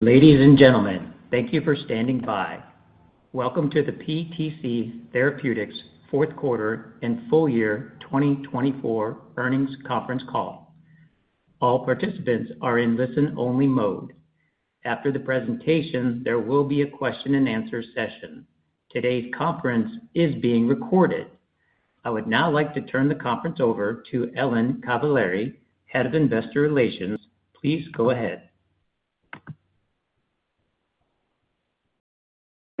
Ladies and gentlemen, thank you for standing by. Welcome to the PTC Therapeutics Fourth Quarter and Full Year 2024 Earnings Conference Call. All participants are in listen-only mode. After the presentation, there will be a question-and-answer session. Today's conference is being recorded. I would now like to turn the conference over to Ellen Cavaleri, Head of Investor Relations. Please go ahead.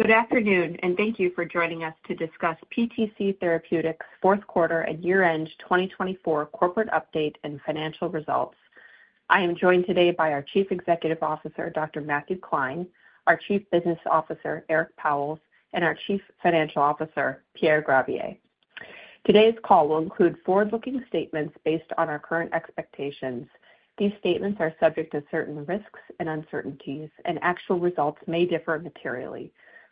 Good afternoon, and thank you for joining us to discuss PTC Therapeutics fourth quarter and year-end 2024 corporate update and financial results. I am joined today by our Chief Executive Officer, Dr. Matthew Klein, our Chief Business Officer, Eric Pauwels, and our Chief Financial Officer, Pierre Gravier. Today's call will include forward-looking statements based on our current expectations. These statements are subject to certain risks and uncertainties, and actual results may differ materially.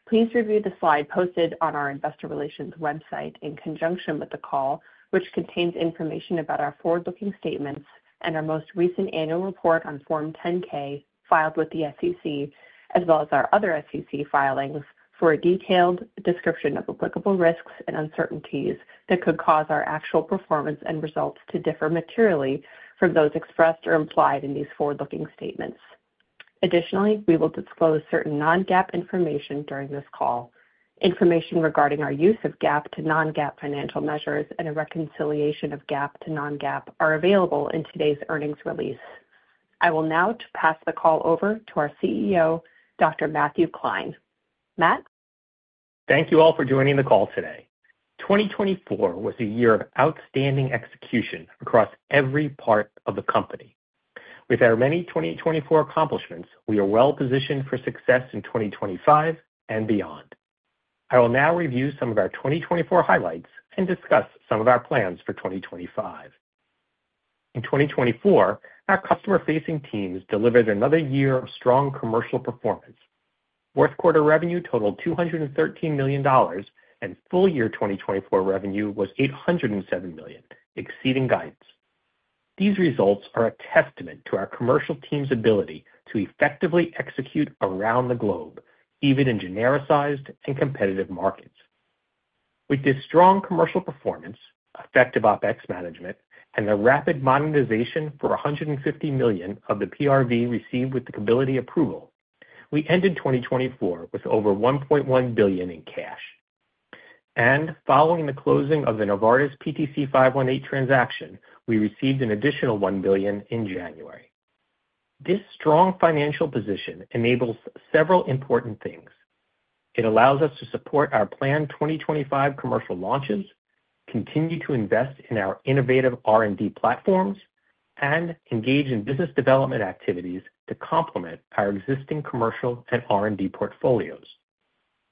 Please review the slide posted on our Investor Relations website in conjunction with the call, which contains information about our forward-looking statements and our most recent annual report on Form 10-K filed with the SEC, as well as our other SEC filings, for a detailed description of applicable risks and uncertainties that could cause our actual performance and results to differ materially from those expressed or implied in these forward-looking statements. Additionally, we will disclose certain non-GAAP information during this call. Information regarding our use of GAAP to non-GAAP financial measures and a reconciliation of GAAP to non-GAAP are available in today's earnings release. I will now pass the call over to our CEO, Dr. Matthew Klein. Matt? Thank you all for joining the call today. 2024 was a year of outstanding execution across every part of the company. With our many 2024 accomplishments, we are well positioned for success in 2025 and beyond. I will now review some of our 2024 highlights and discuss some of our plans for 2025. In 2024, our customer-facing teams delivered another year of strong commercial performance. Fourth quarter revenue totaled $213 million, and full year 2024 revenue was $807 million, exceeding guidance. These results are a testament to our commercial team's ability to effectively execute around the globe, even in genericized and competitive markets. With this strong commercial performance, effective OpEx management, and the rapid monetization for $150 million of the PRV received with the KEBILIDI approval, we ended 2024 with over $1.1 billion in cash. Following the closing of the Novartis PTC518 transaction, we received an additional $1 billion in January. This strong financial position enables several important things. It allows us to support our planned 2025 commercial launches, continue to invest in our innovative R&D platforms, and engage in business development activities to complement our existing commercial and R&D portfolios.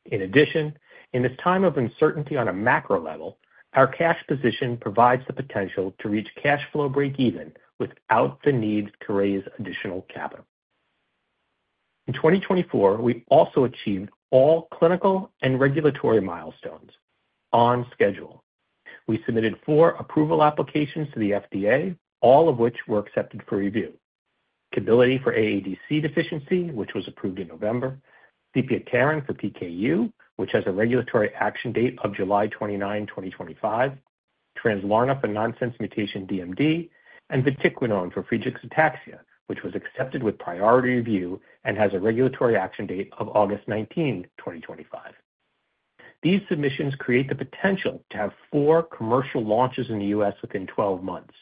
In addition, in this time of uncertainty on a macro level, our cash position provides the potential to reach cash flow break-even without the need to raise additional capital. In 2024, we also achieved all clinical and regulatory milestones on schedule. We submitted four approval applications to the FDA, all of which were accepted for review: KEBILIDI for AADC deficiency, which was approved in November, sepiapterin for PKU, which has a regulatory action date of July 29, 2025, Translarna for nonsense mutation DMD, and vatiquinone for Friedreich ataxia, which was accepted with Priority Review and has a regulatory action date of August 19, 2025. These submissions create the potential to have four commercial launches in the U.S. within 12 months.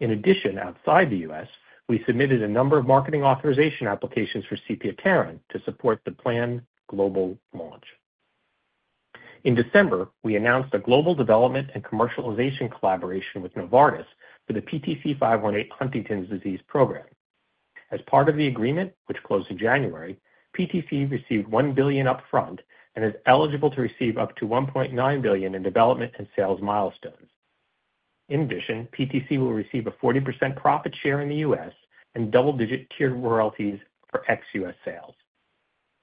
In addition, outside the U.S., we submitted a number of marketing authorization applications for sepiapterin to support the planned global launch. In December, we announced a global development and commercialization collaboration with Novartis for the PTC518 Huntington's disease program. As part of the agreement, which closed in January, PTC received $1 billion upfront and is eligible to receive up to $1.9 billion in development and sales milestones. In addition, PTC will receive a 40% profit share in the U.S. and double-digit tiered royalties for ex-U.S. sales.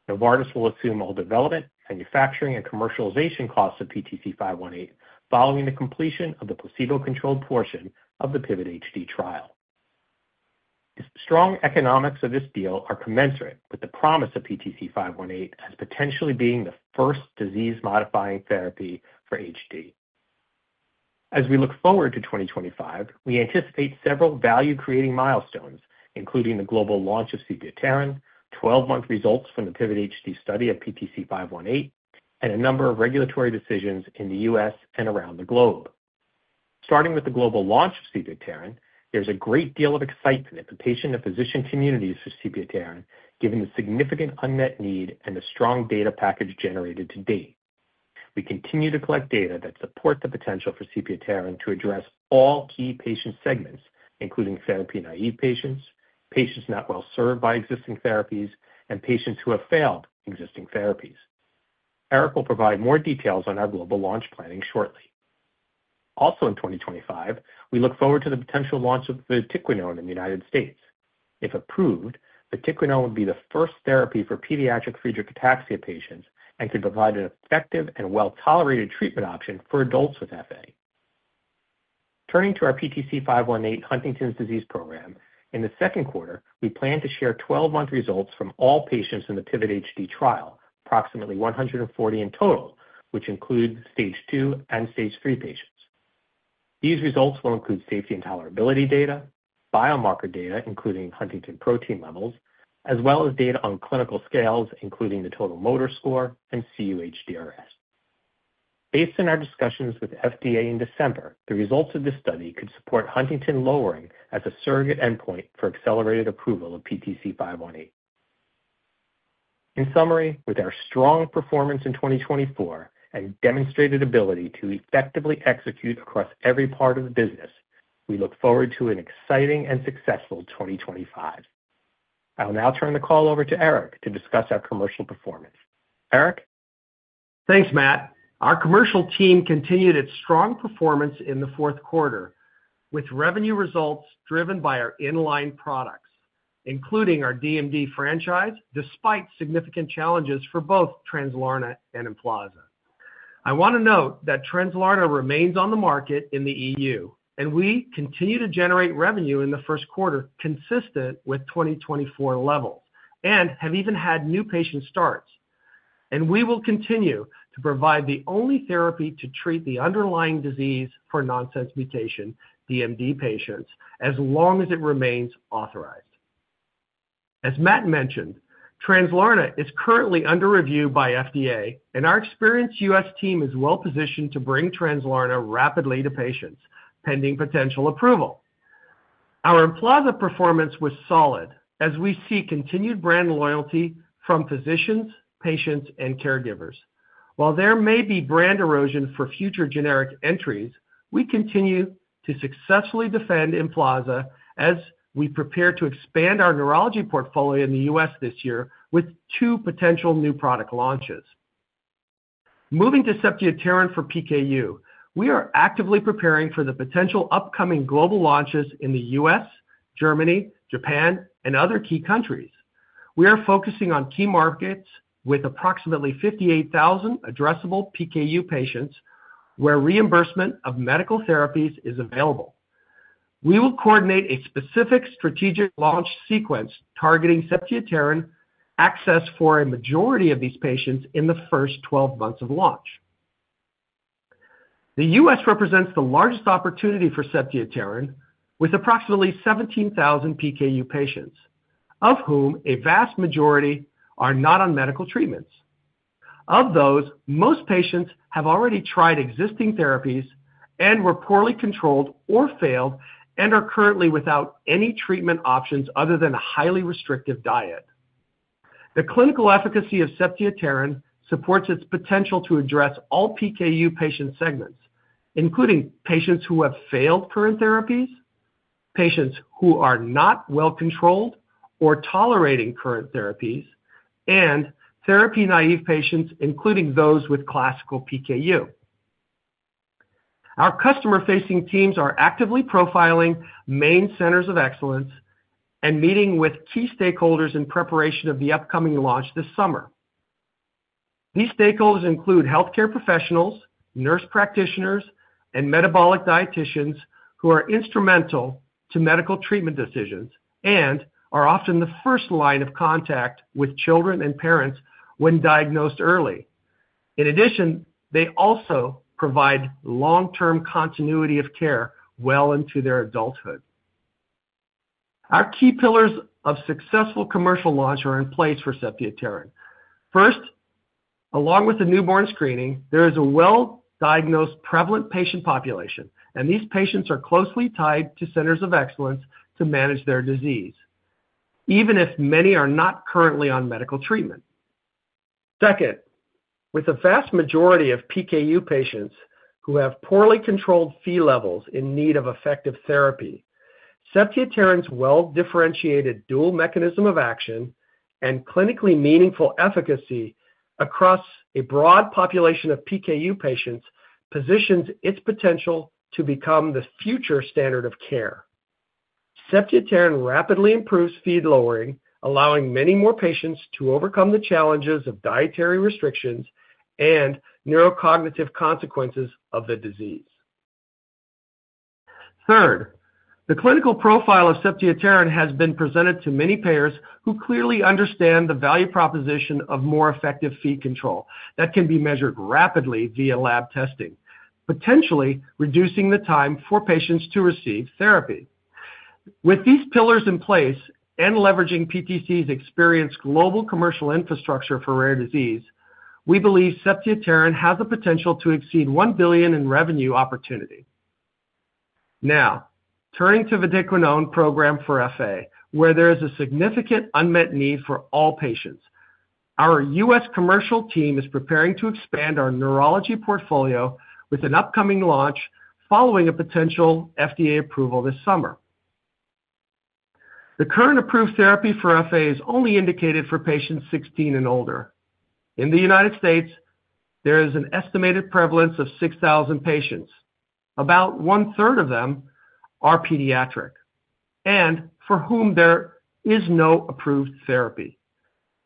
Novartis will assume all development, manufacturing, and commercialization costs of PTC518 following the completion of the placebo-controlled portion of the PIVOT-HD trial. The strong economics of this deal are commensurate with the promise of PTC518 as potentially being the first disease-modifying therapy for HD. As we look forward to 2025, we anticipate several value-creating milestones, including the global launch of sepiapterin, 12-month results from the PIVOT-HD study of PTC518, and a number of regulatory decisions in the U.S. and around the globe. Starting with the global launch of sepiapterin, there's a great deal of excitement in the patient and physician communities for sepiapterin, given the significant unmet need and the strong data package generated to date. We continue to collect data that supports the potential for sepiapterin to address all key patient segments, including therapy-naive patients, patients not well served by existing therapies, and patients who have failed existing therapies. Eric will provide more details on our global launch planning shortly. Also in 2025, we look forward to the potential launch of vatiquinone in the United States. If approved, vatiquinone would be the first therapy for pediatric Friedreich ataxia patients and could provide an effective and well-tolerated treatment option for adults with FA. Turning to our PTC518 Huntington's disease program, in the second quarter, we plan to share 12-month results from all patients in the PIVOT-HD trial, approximately 140 in total, which includes phase II and phase III patients. These results will include safety and tolerability data, biomarker data, including huntingtin protein levels, as well as data on clinical scales, including the Total Motor Score and cUHDRS. Based on our discussions with the FDA in December, the results of this study could support huntingtin protein as a surrogate endpoint for Accelerated Approval of PTC518. In summary, with our strong performance in 2024 and demonstrated ability to effectively execute across every part of the business, we look forward to an exciting and successful 2025. I will now turn the call over to Eric to discuss our commercial performance. Eric? Thanks, Matt. Our commercial team continued its strong performance in the fourth quarter, with revenue results driven by our inline products, including our DMD franchise, despite significant challenges for both Translarna and Emflaza. I want to note that Translarna remains on the market in the EU, and we continue to generate revenue in the first quarter consistent with 2024 levels and have even had new patient starts, and we will continue to provide the only therapy to treat the underlying disease for nonsense mutation DMD patients as long as it remains authorized. As Matt mentioned, Translarna is currently under review by FDA, and our experienced U.S. team is well positioned to bring Translarna rapidly to patients pending potential approval. Our Emflaza performance was solid, as we see continued brand loyalty from physicians, patients, and caregivers. While there may be brand erosion for future generic entries, we continue to successfully defend Emflaza as we prepare to expand our neurology portfolio in the U.S. this year with two potential new product launches. Moving to sepiapterin for PKU, we are actively preparing for the potential upcoming global launches in the U.S., Germany, Japan, and other key countries. We are focusing on key markets with approximately 58,000 addressable PKU patients where reimbursement of medical therapies is available. We will coordinate a specific strategic launch sequence targeting sepiapterin access for a majority of these patients in the first 12 months of launch. The U.S. represents the largest opportunity for sepiapterin, with approximately 17,000 PKU patients, of whom a vast majority are not on medical treatments. Of those, most patients have already tried existing therapies and were poorly controlled or failed and are currently without any treatment options other than a highly restrictive diet. The clinical efficacy of sepiapterin supports its potential to address all PKU patient segments, including patients who have failed current therapies, patients who are not well controlled or tolerating current therapies, and therapy-naive patients, including those with classical PKU. Our customer-facing teams are actively profiling main centers of excellence and meeting with key stakeholders in preparation of the upcoming launch this summer. These stakeholders include healthcare professionals, nurse practitioners, and metabolic dietitians who are instrumental to medical treatment decisions and are often the first line of contact with children and parents when diagnosed early. In addition, they also provide long-term continuity of care well into their adulthood. Our key pillars of successful commercial launch are in place for sepiapterin. First, along with the newborn screening, there is a well-diagnosed prevalent patient population, and these patients are closely tied to centers of excellence to manage their disease, even if many are not currently on medical treatment. Second, with a vast majority of PKU patients who have poorly controlled Phe levels in need of effective therapy, sepiapterin's well-differentiated dual mechanism of action and clinically meaningful efficacy across a broad population of PKU patients positions its potential to become the future standard of care. Sepiapterin rapidly improves Phe lowering, allowing many more patients to overcome the challenges of dietary restrictions and neurocognitive consequences of the disease. Third, the clinical profile of sepiapterin has been presented to many payers who clearly understand the value proposition of more effective Phe control that can be measured rapidly via lab testing, potentially reducing the time for patients to receive therapy. With these pillars in place and leveraging PTC's experienced global commercial infrastructure for rare disease, we believe sepiapterin has the potential to exceed $1 billion in revenue opportunity. Now, turning to the vatiquinone program for FA, where there is a significant unmet need for all patients, our U.S. commercial team is preparing to expand our neurology portfolio with an upcoming launch following a potential FDA approval this summer. The current approved therapy for FA is only indicated for patients 16 and older. In the United States, there is an estimated prevalence of 6,000 patients. About one-third of them are pediatric and for whom there is no approved therapy.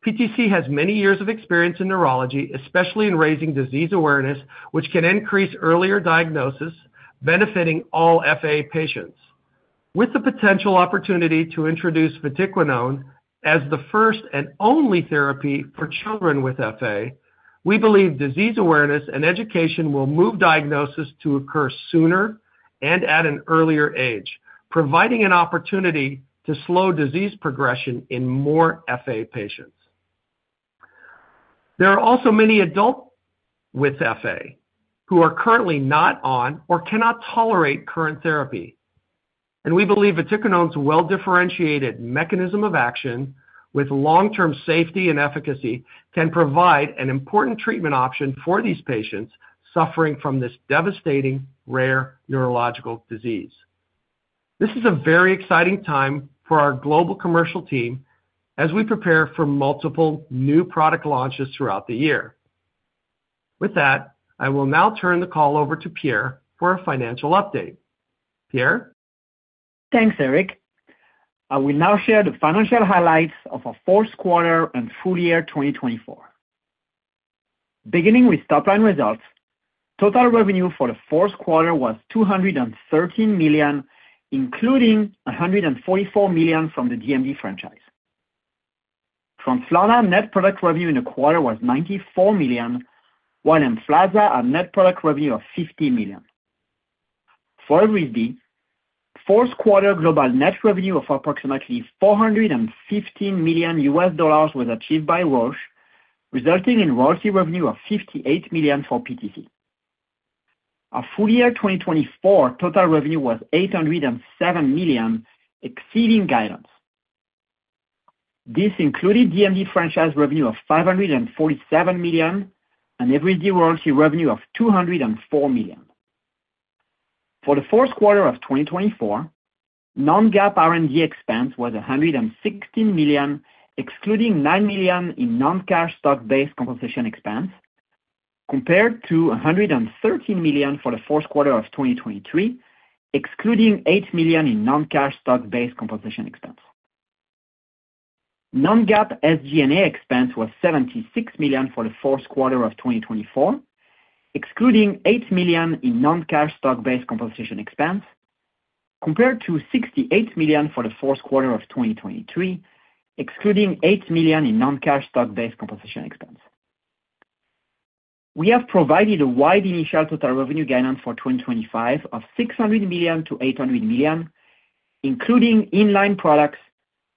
PTC has many years of experience in neurology, especially in raising disease awareness, which can increase earlier diagnosis, benefiting all FA patients. With the potential opportunity to introduce vatiquinone as the first and only therapy for children with FA, we believe disease awareness and education will move diagnosis to occur sooner and at an earlier age, providing an opportunity to slow disease progression in more FA patients. There are also many adults with FA who are currently not on or cannot tolerate current therapy. And we believe vatiquinone's well-differentiated mechanism of action with long-term safety and efficacy can provide an important treatment option for these patients suffering from this devastating rare neurological disease. This is a very exciting time for our global commercial team as we prepare for multiple new product launches throughout the year. With that, I will now turn the call over to Pierre for a financial update. Pierre? Thanks, Eric. I will now share the financial highlights of our fourth quarter and full year 2024. Beginning with top-line results, total revenue for the fourth quarter was $213 million, including $144 million from the DMD franchise. Translarna net product revenue in the quarter was $94 million, while Emflaza had net product revenue of $50 million. For Evrysdi, fourth quarter global net revenue of approximately $415 million was achieved by Roche, resulting in royalty revenue of $58 million for PTC. Our full year 2024 total revenue was $807 million, exceeding guidance. This included DMD franchise revenue of $547 million and Evrysdi royalty revenue of $204 million. For the fourth quarter of 2024, non-GAAP R&D expense was $116 million, excluding $9 million in non-cash stock-based compensation expense, compared to $113 million for the fourth quarter of 2023, excluding $8 million in non-cash stock-based compensation expense. Non-GAAP SG&A expense was $76 million for the fourth quarter of 2024, excluding $8 million in non-cash stock-based compensation expense, compared to $68 million for the fourth quarter of 2023, excluding $8 million in non-cash stock-based compensation expense. We have provided a wide initial total revenue guidance for 2025 of $600 million-$800 million, including inline products,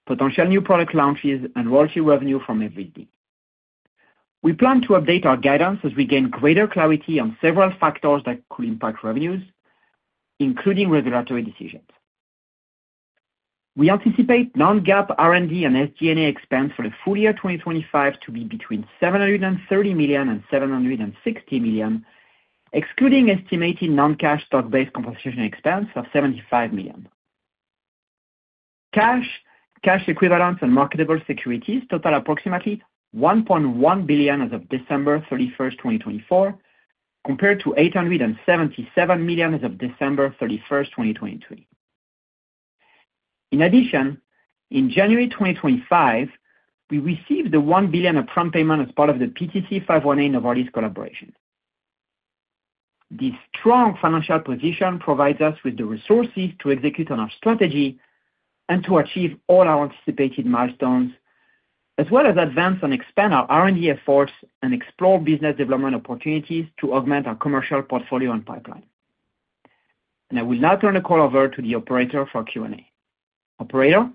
potential new product launches, and royalty revenue from Evrysdi. We plan to update our guidance as we gain greater clarity on several factors that could impact revenues, including regulatory decisions. We anticipate non-GAAP R&D and SG&A expense for the full year 2025 to be between $730 million and $760 million, excluding estimated non-cash stock-based compensation expense of $75 million. Cash, cash equivalents, and marketable securities total approximately $1.1 billion as of December 31, 2024, compared to $877 million as of December 31, 2023. In addition, in January 2025, we received the $1 billion upfront payment as part of the PTC518 Novartis collaboration. This strong financial position provides us with the resources to execute on our strategy and to achieve all our anticipated milestones, as well as advance and expand our R&D efforts and explore business development opportunities to augment our commercial portfolio and pipeline. And I will now turn the call over to the operator for Q&A. Operator?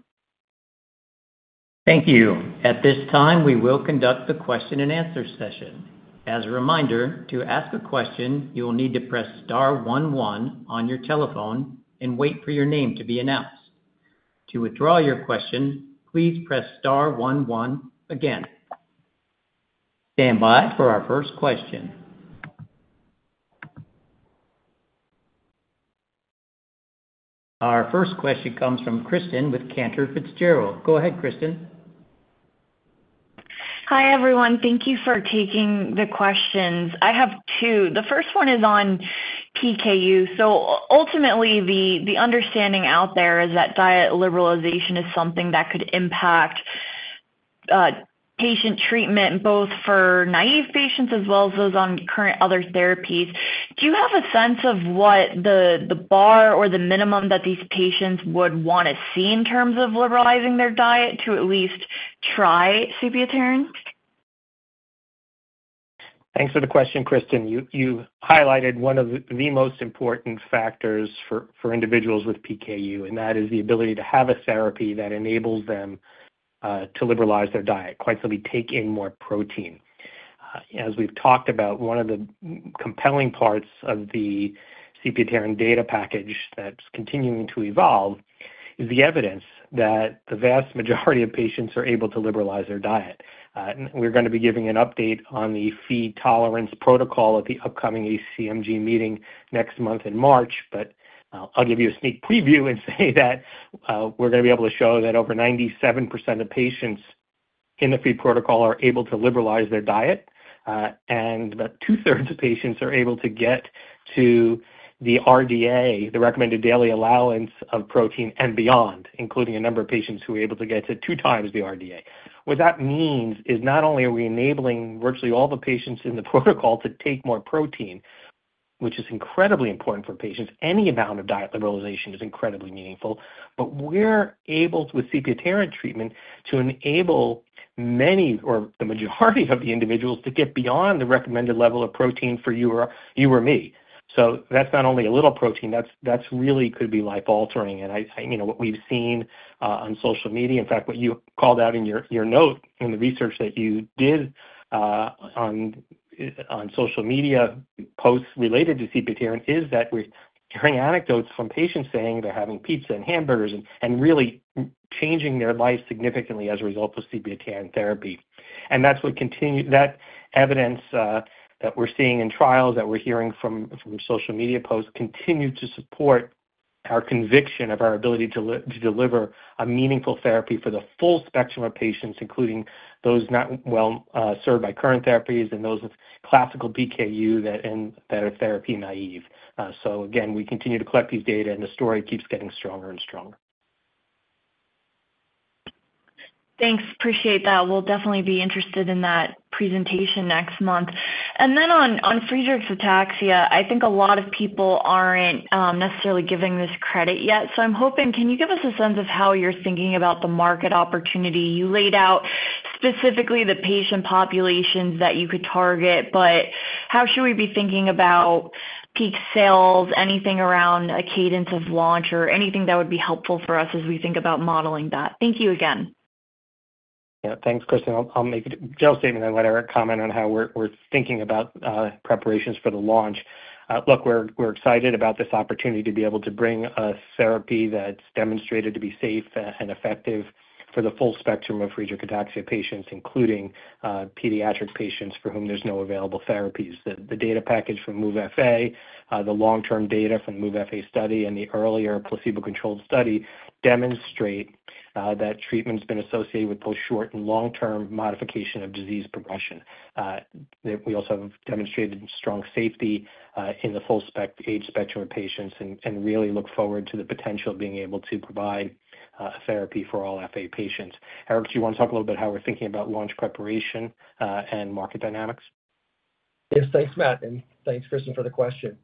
Thank you. At this time, we will conduct the question-and-answer session. As a reminder, to ask a question, you will need to press star one one on your telephone and wait for your name to be announced. To withdraw your question, please press star one one again. Stand by for our first question. Our first question comes from Kristen with Cantor Fitzgerald. Go ahead, Kristen. Hi, everyone. Thank you for taking the questions. I have two. The first one is on PKU. So ultimately, the understanding out there is that diet liberalization is something that could impact patient treatment, both for naive patients as well as those on current other therapies. Do you have a sense of what the bar or the minimum that these patients would want to see in terms of liberalizing their diet to at least try sepiapterin? Thanks for the question, Kristen. You highlighted one of the most important factors for individuals with PKU, and that is the ability to have a therapy that enables them to liberalize their diet, quite simply take in more protein. As we've talked about, one of the compelling parts of the sepiapterin data package that's continuing to evolve is the evidence that the vast majority of patients are able to liberalize their diet. We're going to be giving an update on the Phe tolerance protocol at the upcoming ACMG meeting next month in March, but I'll give you a sneak preview and say that we're going to be able to show that over 97% of patients in the Phe protocol are able to liberalize their diet, and about two-thirds of patients are able to get to the RDA, the recommended daily allowance of protein and beyond, including a number of patients who are able to get to two times the RDA. What that means is not only are we enabling virtually all the patients in the protocol to take more protein, which is incredibly important for patients. Any amount of diet liberalization is incredibly meaningful, but we're able, with sepiapterin treatment, to enable many or the majority of the individuals to get beyond the recommended level of protein for you or me. That's not only a little protein. That really could be life-altering. What we've seen on social media, in fact, what you called out in your note in the research that you did on social media posts related to sepiapterin is that we're hearing anecdotes from patients saying they're having pizza and hamburgers and really changing their life significantly as a result of sepiapterin therapy. That's what continue - that evidence that we're seeing in trials that we're hearing from social media posts continue to support our conviction of our ability to deliver a meaningful therapy for the full spectrum of patients, including those not well served by current therapies and those with classical PKU that are therapy naive. Again, we continue to collect these data, and the story keeps getting stronger and stronger. Thanks. Appreciate that. We'll definitely be interested in that presentation next month. And then on Friedreich's ataxia, I think a lot of people aren't necessarily giving this credit yet. So I'm hoping, can you give us a sense of how you're thinking about the market opportunity? You laid out specifically the patient populations that you could target, but how should we be thinking about peak sales, anything around a cadence of launch, or anything that would be helpful for us as we think about modeling that? Thank you again. Yeah, thanks, Kristen. I'll make a general statement and let Eric comment on how we're thinking about preparations for the launch. Look, we're excited about this opportunity to be able to bring a therapy that's demonstrated to be safe and effective for the full spectrum of Friedreich's ataxia patients, including pediatric patients for whom there's no available therapies. The data package from MOVE-FA, the long-term data from the MOVE-FA study, and the earlier placebo-controlled study demonstrate that treatment has been associated with both short and long-term modification of disease progression. We also have demonstrated strong safety in the full age spectrum of patients and really look forward to the potential of being able to provide a therapy for all FA patients. Eric, do you want to talk a little bit about how we're thinking about launch preparation and market dynamics? Yes, thanks, Matt, and thanks, Kristen, for the question.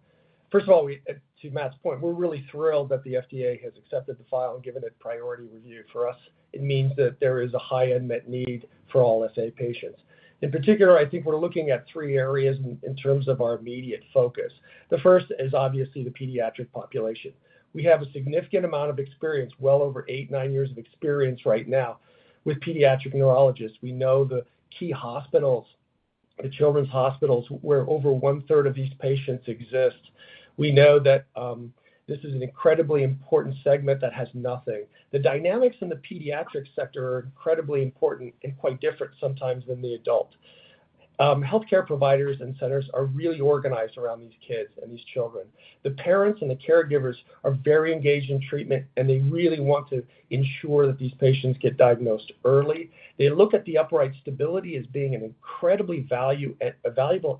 First of all, to Matt's point, we're really thrilled that the FDA has accepted the file and given it Priority Review. For us, it means that there is a high unmet need for all FA patients. In particular, I think we're looking at three areas in terms of our immediate focus. The first is obviously the pediatric population. We have a significant amount of experience, well over eight, nine years of experience right now with pediatric neurologists. We know the key hospitals, the children's hospitals where over 1/3 of these patients exist. We know that this is an incredibly important segment that has nothing. The dynamics in the pediatric sector are incredibly important and quite different sometimes than the adult. Healthcare providers and centers are really organized around these kids and these children. The parents and the caregivers are very engaged in treatment, and they really want to ensure that these patients get diagnosed early. They look at the upright stability as being an incredibly valuable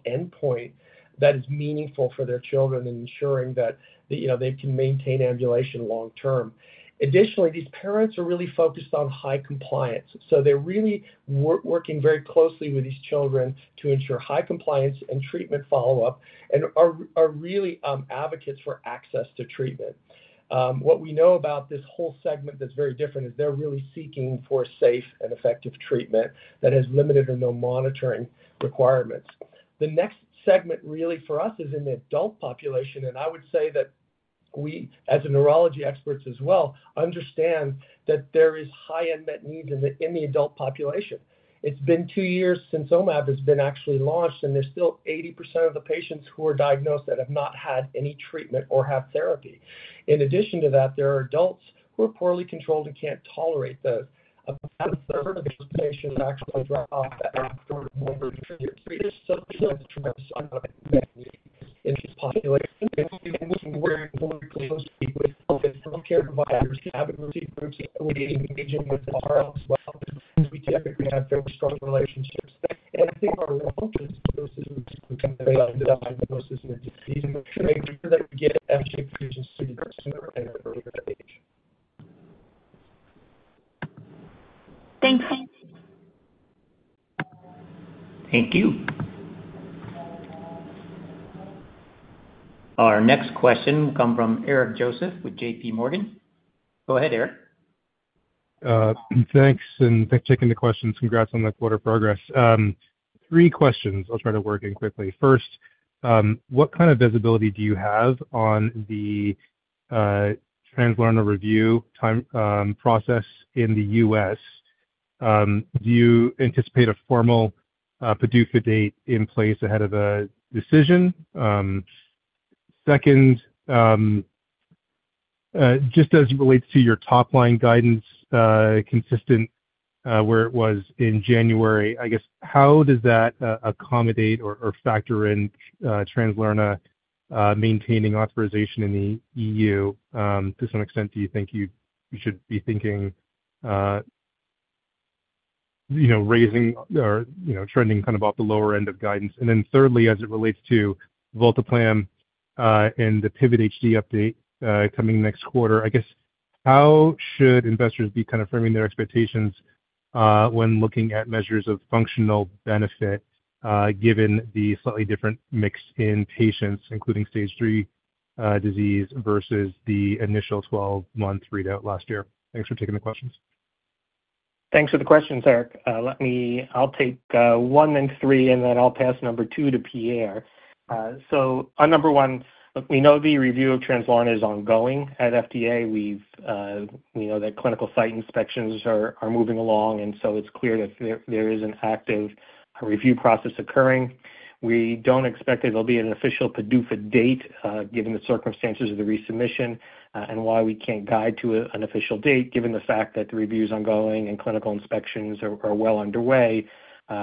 endpoint that is meaningful for their children and ensuring that they can maintain ambulation long-term. Additionally, these parents are really focused on high compliance. So they're really working very closely with these children to ensure high compliance and treatment follow-up and are really advocates for access to treatment. What we know about this whole segment that's very different is they're really seeking for safe and effective treatment that has limited or no monitoring requirements. The next segment really for us is in the adult population, and I would say that we, as neurology experts as well, understand that there is high unmet needs in the adult population. It's been two years since Omav has been actually launched, and there's still 80% of the patients who are diagnosed that have not had any treatment or have therapy. In addition to that, there are adults who are poorly controlled and can't tolerate those. About a third of those patients actually drop off after one or two years. So there's a tremendous amount of unmet needs in this population. We're closely with healthcare providers, advocacy groups engaging with our healthcare systems. We typically have very strong relationships. And I think our relationships with those who can diagnose this disease and make sure that we get FA patients sooner and earlier than age. Thank you. Thank you. Our next question will come from Eric Joseph with JP Morgan. Go ahead, Eric. Thanks, and thanks for taking the questions. Congrats on that quarter progress. Three questions. I'll try to work in quickly. First, what kind of visibility do you have on the Translarna review process in the U.S.? Do you anticipate a formal PDUFA date in place ahead of the decision? Second, just as it relates to your top-line guidance, consistent where it was in January, I guess, how does that accommodate or factor in Translarna maintaining authorization in the EU? To some extent, do you think you should be thinking raising or trending kind of off the lower end of guidance? And then thirdly, as it relates to vatiquinone and the PIVOT-HD update coming next quarter, I guess, how should investors be kind of framing their expectations when looking at measures of functional benefit given the slightly different mix in patients, including stage three disease versus the initial 12-month readout last year? Thanks for taking the questions. Thanks for the questions, Eric. I'll take one and three, and then I'll pass number two to Pierre. So on number one, we know the review of Translarna is ongoing at FDA. We know that clinical site inspections are moving along, and so it's clear that there is an active review process occurring. We don't expect that there'll be an official PDUFA date given the circumstances of the resubmission and why we can't guide to an official date. Given the fact that the review is ongoing and clinical inspections are well underway,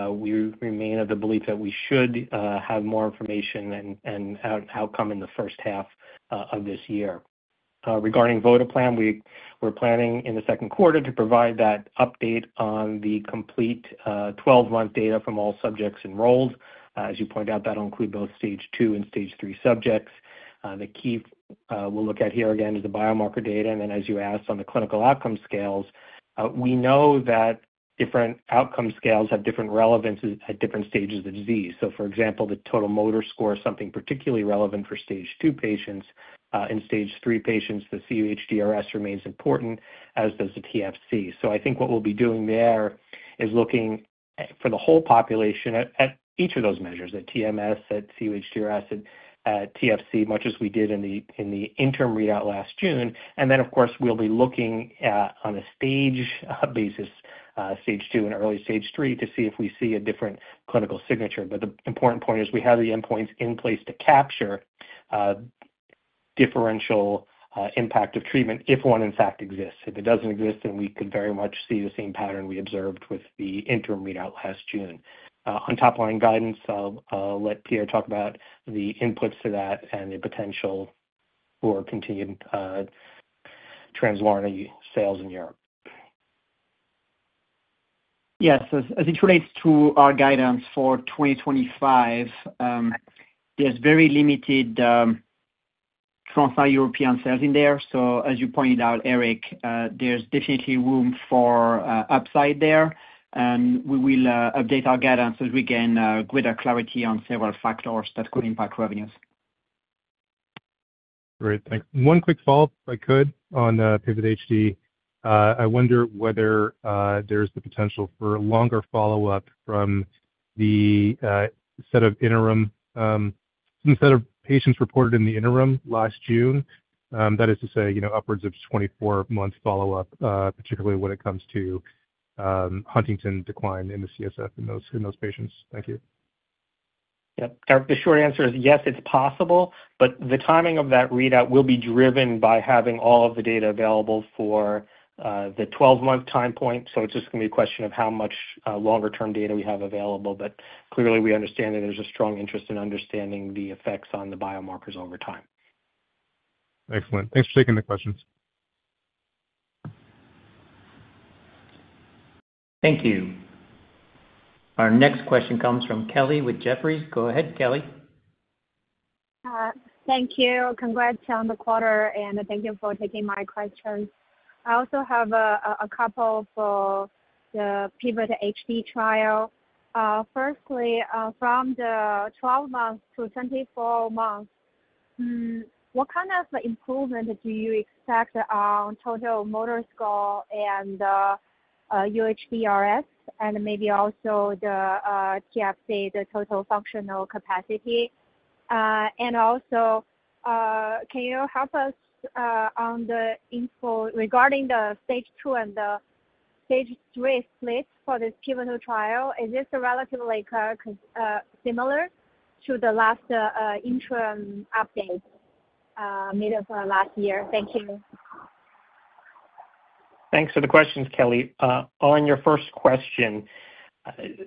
we remain of the belief that we should have more information and outcome in the first half of this year. Regarding vatiquinone, we're planning in the second quarter to provide that update on the complete 12-month data from all subjects enrolled. As you point out, that'll include both stage two and stage three subjects. The key we'll look at here again is the biomarker data. And then, as you asked on the clinical outcome scales, we know that different outcome scales have different relevances at different stages of the disease. So, for example, the Total Motor Score is something particularly relevant for stage two patients. In stage three patients, the cUHDRS remains important, as does the TFC. So I think what we'll be doing there is looking for the whole population at each of those measures, at TMS, at cUHDRS, at TFC, much as we did in the interim readout last June. And then, of course, we'll be looking on a stage basis, stage two and early stage three, to see if we see a different clinical signature. But the important point is we have the endpoints in place to capture differential impact of treatment if one, in fact, exists. If it doesn't exist, then we could very much see the same pattern we observed with the interim readout last June. On top-line guidance, I'll let Pierre talk about the inputs to that and the potential for continued Translarna sales in Europe. Yes, as it relates to our guidance for 2025, there's very limited Translarna European sales in there. So, as you pointed out, Eric, there's definitely room for upside there. And we will update our guidance as we gain greater clarity on several factors that could impact revenues. Great. Thanks. One quick follow-up, if I could, on PIVOT-HD. I wonder whether there's the potential for longer follow-up from the set of interim patients reported in the interim last June, that is to say upwards of 24-months follow-up, particularly when it comes to huntingtin decline in the CSF in those patients. Thank you. Yep. The short answer is yes, it's possible, but the timing of that readout will be driven by having all of the data available for the 12-month time point. So it's just going to be a question of how much longer-term data we have available. But clearly, we understand that there's a strong interest in understanding the effects on the biomarkers over time. Excellent. Thanks for taking the questions. Thank you. Our next question comes from Kelly with Jefferies. Go ahead, Kelly. Thank you. Congrats on the quarter, and thank you for taking my questions. I also have a couple for the PIVOT-HD trial. Firstly, from the 12 months to 24 months, what kind of improvement do you expect on Total Motor Score and UHDRS, and maybe also the TFC, the Total Functional Capacity? And also, can you help us on the info regarding the stage two and the stage three split for this pivotal trial? Is this relatively similar to the last interim update made for last year? Thank you. Thanks for the questions, Kelly. On your first question,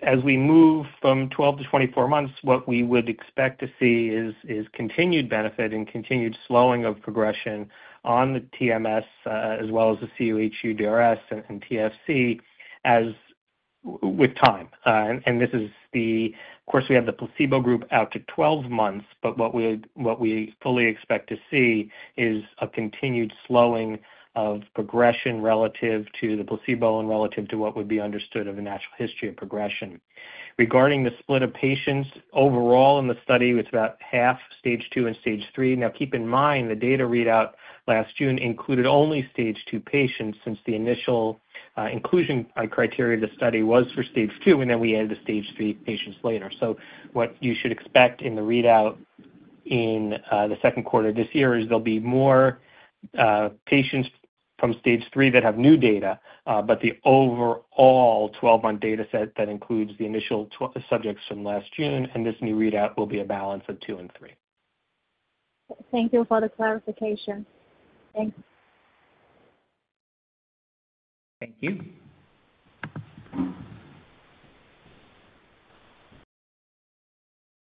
as we move from 12-24 months, what we would expect to see is continued benefit and continued slowing of progression on the TMS as well as the cUHDRS and TFC with time, and this is the, of course, we have the placebo group out to 12 months, but what we fully expect to see is a continued slowing of progression relative to the placebo and relative to what would be understood of a natural history of progression. Regarding the split of patients overall in the study, it's about half stage two and stage three. Now, keep in mind the data readout last June included only stage two patients since the initial inclusion criteria of the study was for stage two, and then we added the stage three patients later. What you should expect in the readout in the second quarter of this year is there'll be more patients from stage three that have new data, but the overall 12-month data set that includes the initial subjects from last June and this new readout will be a balance of two and three. Thank you for the clarification. Thanks. Thank you.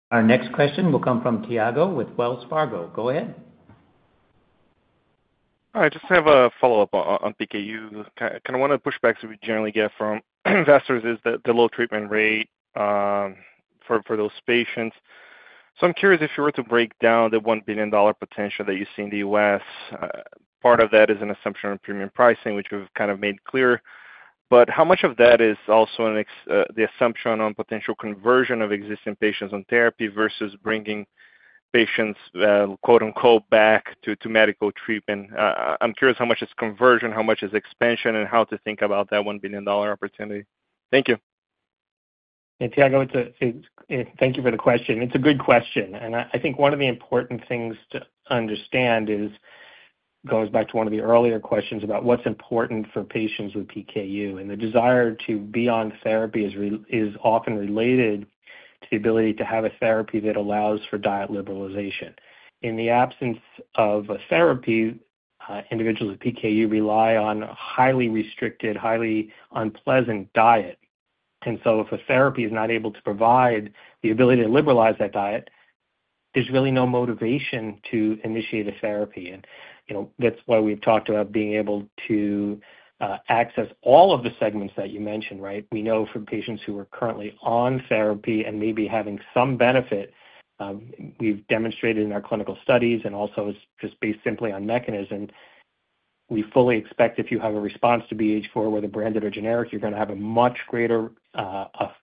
Our next question will come from Tiago with Wells Fargo. Go ahead. Hi, I just have a follow-up on PKU. Kind of want to push back to what we generally get from investors is the low treatment rate for those patients. So I'm curious if you were to break down the $1 billion potential that you see in the U.S. Part of that is an assumption on premium pricing, which we've kind of made clear. But how much of that is also the assumption on potential conversion of existing patients on therapy versus bringing patients "back" to medical treatment? I'm curious how much is conversion, how much is expansion, and how to think about that $1 billion opportunity. Thank you. Hey, Tiago, thank you for the question. It's a good question. And I think one of the important things to understand it goes back to one of the earlier questions about what's important for patients with PKU. And the desire to be on therapy is often related to the ability to have a therapy that allows for diet liberalization. In the absence of a therapy, individuals with PKU rely on a highly restricted, highly unpleasant diet. And so if a therapy is not able to provide the ability to liberalize that diet, there's really no motivation to initiate a therapy. And that's why we've talked about being able to access all of the segments that you mentioned, right? We know from patients who are currently on therapy and maybe having some benefit. We've demonstrated in our clinical studies and also just based simply on mechanism, we fully expect if you have a response to BH4, whether branded or generic, you're going to have a much greater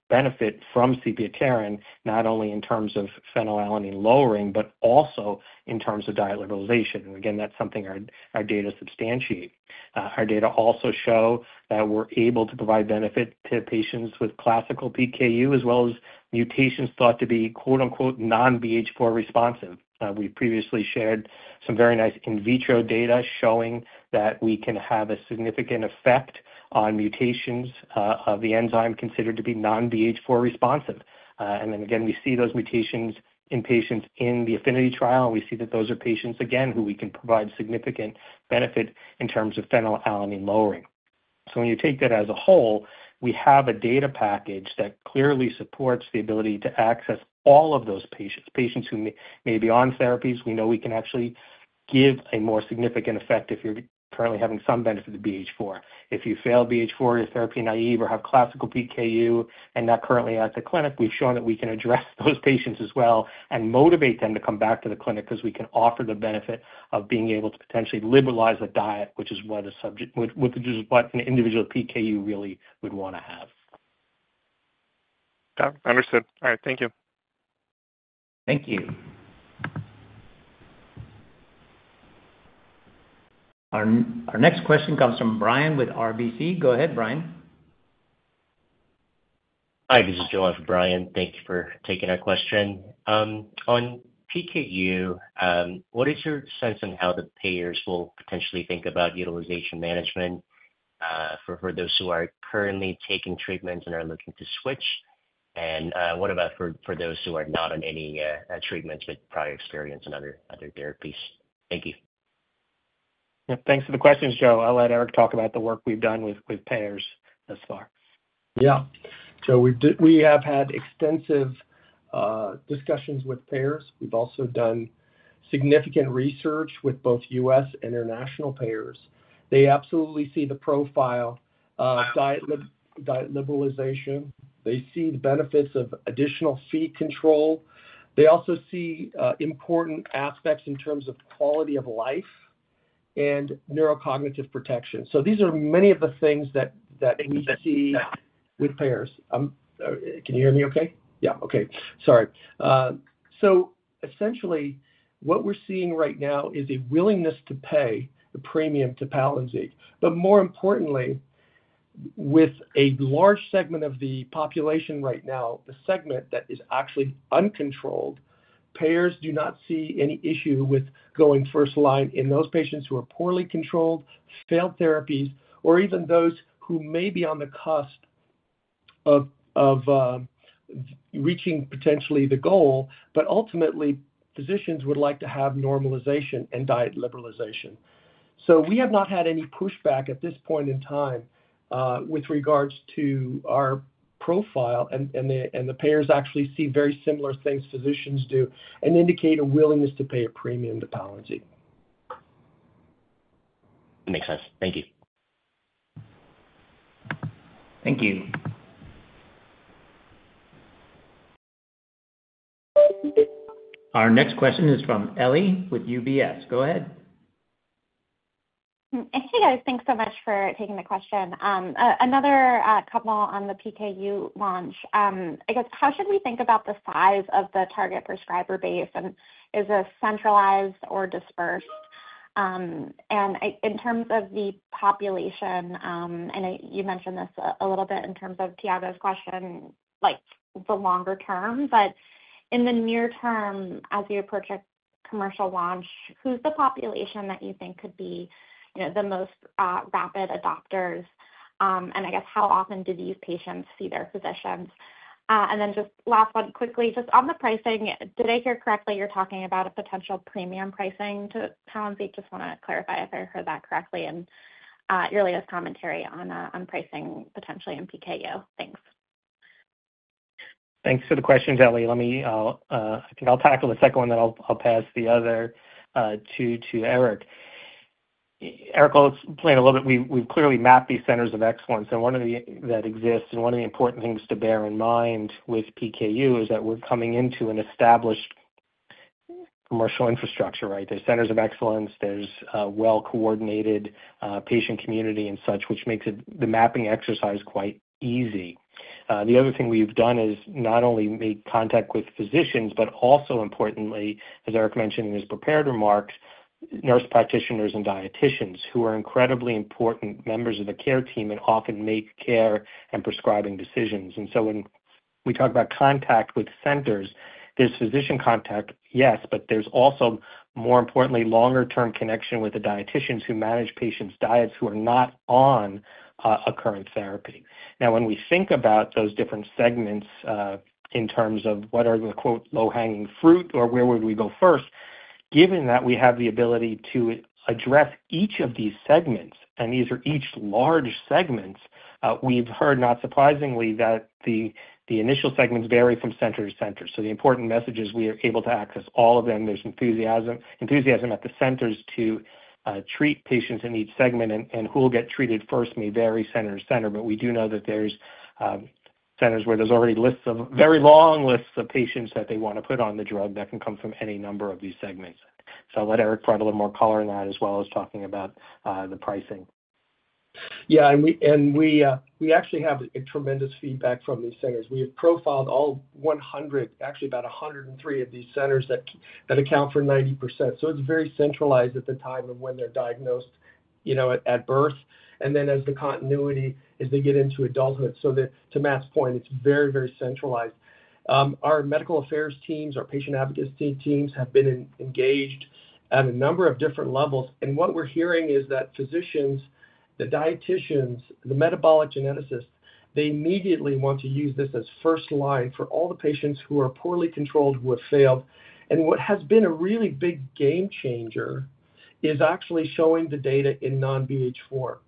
benefit from sepiapterin, not only in terms of phenylalanine lowering, but also in terms of diet liberalization. And again, that's something our data substantiate. Our data also show that we're able to provide benefit to patients with classical PKU as well as mutations thought to be "non-BH4 responsive." We've previously shared some very nice in vitro data showing that we can have a significant effect on mutations of the enzyme considered to be non-BH4 responsive. And then again, we see those mutations in patients in the APHENITY trial, and we see that those are patients, again, who we can provide significant benefit in terms of phenylalanine lowering. So when you take that as a whole, we have a data package that clearly supports the ability to access all of those patients. Patients who may be on therapies, we know we can actually give a more significant effect if you're currently having some benefit of BH4. If you fail BH4, you're therapy naive, or have classical PKU and not currently at the clinic, we've shown that we can address those patients as well and motivate them to come back to the clinic because we can offer the benefit of being able to potentially liberalize a diet, which is what an individual PKU really would want to have. Understood. All right. Thank you. Thank you. Our next question comes from Brian with RBC. Go ahead, Brian. Hi, this is Joel for Brian. Thank you for taking our question. On PKU, what is your sense on how the payers will potentially think about utilization management for those who are currently taking treatments and are looking to switch? And what about for those who are not on any treatments with prior experience and other therapies? Thank you. Thanks for the questions, Joe. I'll let Eric talk about the work we've done with payers thus far. Yeah. So we have had extensive discussions with payers. We've also done significant research with both U.S. and international payers. They absolutely see the profile of diet liberalization. They see the benefits of additional Phe control. They also see important aspects in terms of quality of life and neurocognitive protection. So these are many of the things that we see with payers. Can you hear me okay? Yeah. Okay. Sorry. So essentially, what we're seeing right now is a willingness to pay the premium to Palynziq. But more importantly, with a large segment of the population right now, the segment that is actually uncontrolled, payers do not see any issue with going first line in those patients who are poorly controlled, failed therapies, or even those who may be on the cusp of reaching potentially the goal. But ultimately, physicians would like to have normalization and diet liberalization. So we have not had any pushback at this point in time with regards to our profile, and the payers actually see very similar things physicians do and indicate a willingness to pay a premium to Palynziq. That makes sense. Thank you. Thank you. Our next question is from Ellie with UBS. Go ahead. Hey, guys. Thanks so much for taking the question. Another couple on the PKU launch. I guess, how should we think about the size of the target prescriber base? And is it centralized or dispersed? And in terms of the population, I know you mentioned this a little bit in terms of Tiago's question, the longer term. But in the near term, as you approach a commercial launch, who's the population that you think could be the most rapid adopters? And I guess, how often do these patients see their physicians? And then just last one, quickly, just on the pricing, did I hear correctly? You're talking about a potential premium pricing to Palynziq. Just want to clarify if I heard that correctly in your latest commentary on pricing potentially in PKU. Thanks. Thanks for the questions, Ellie. I think I'll tackle the second one, then I'll pass the other two to Eric. Eric will explain a little bit. We've clearly mapped these centers of excellence, and one of those that exists, and one of the important things to bear in mind with PKU is that we're coming into an established commercial infrastructure, right? There's centers of excellence. There's well-coordinated patient community and such, which makes the mapping exercise quite easy. The other thing we've done is not only make contact with physicians, but also importantly, as Eric mentioned in his prepared remarks, nurse practitioners and dieticians who are incredibly important members of the care team and often make care and prescribing decisions. And so when we talk about contact with centers, there's physician contact, yes, but there's also, more importantly, longer-term connection with the dieticians who manage patients' diets who are not on a current therapy. Now, when we think about those different segments in terms of what are the "low-hanging fruit" or where would we go first, given that we have the ability to address each of these segments, and these are each large segments, we've heard, not surprisingly, that the initial segments vary from center to center. So the important message is we are able to access all of them. There's enthusiasm at the centers to treat patients in each segment, and who will get treated first may vary center to center. But we do know that there's centers where there's already lists of very long lists of patients that they want to put on the drug that can come from any number of these segments. So I'll let Eric add a little more color on that as well as talking about the pricing. Yeah, and we actually have tremendous feedback from these centers. We have profiled all 100, actually about 103 of these centers that account for 90%. So it's very centralized at the time of when they're diagnosed at birth. And then as the continuity, as they get into adulthood, so to Matt's point, it's very, very centralized. Our medical affairs teams, our patient advocacy teams have been engaged at a number of different levels. And what we're hearing is that physicians, the dieticians, the metabolic geneticists, they immediately want to use this as first line for all the patients who are poorly controlled, who have failed. And what has been a really big game changer is actually showing the data in non-BH4.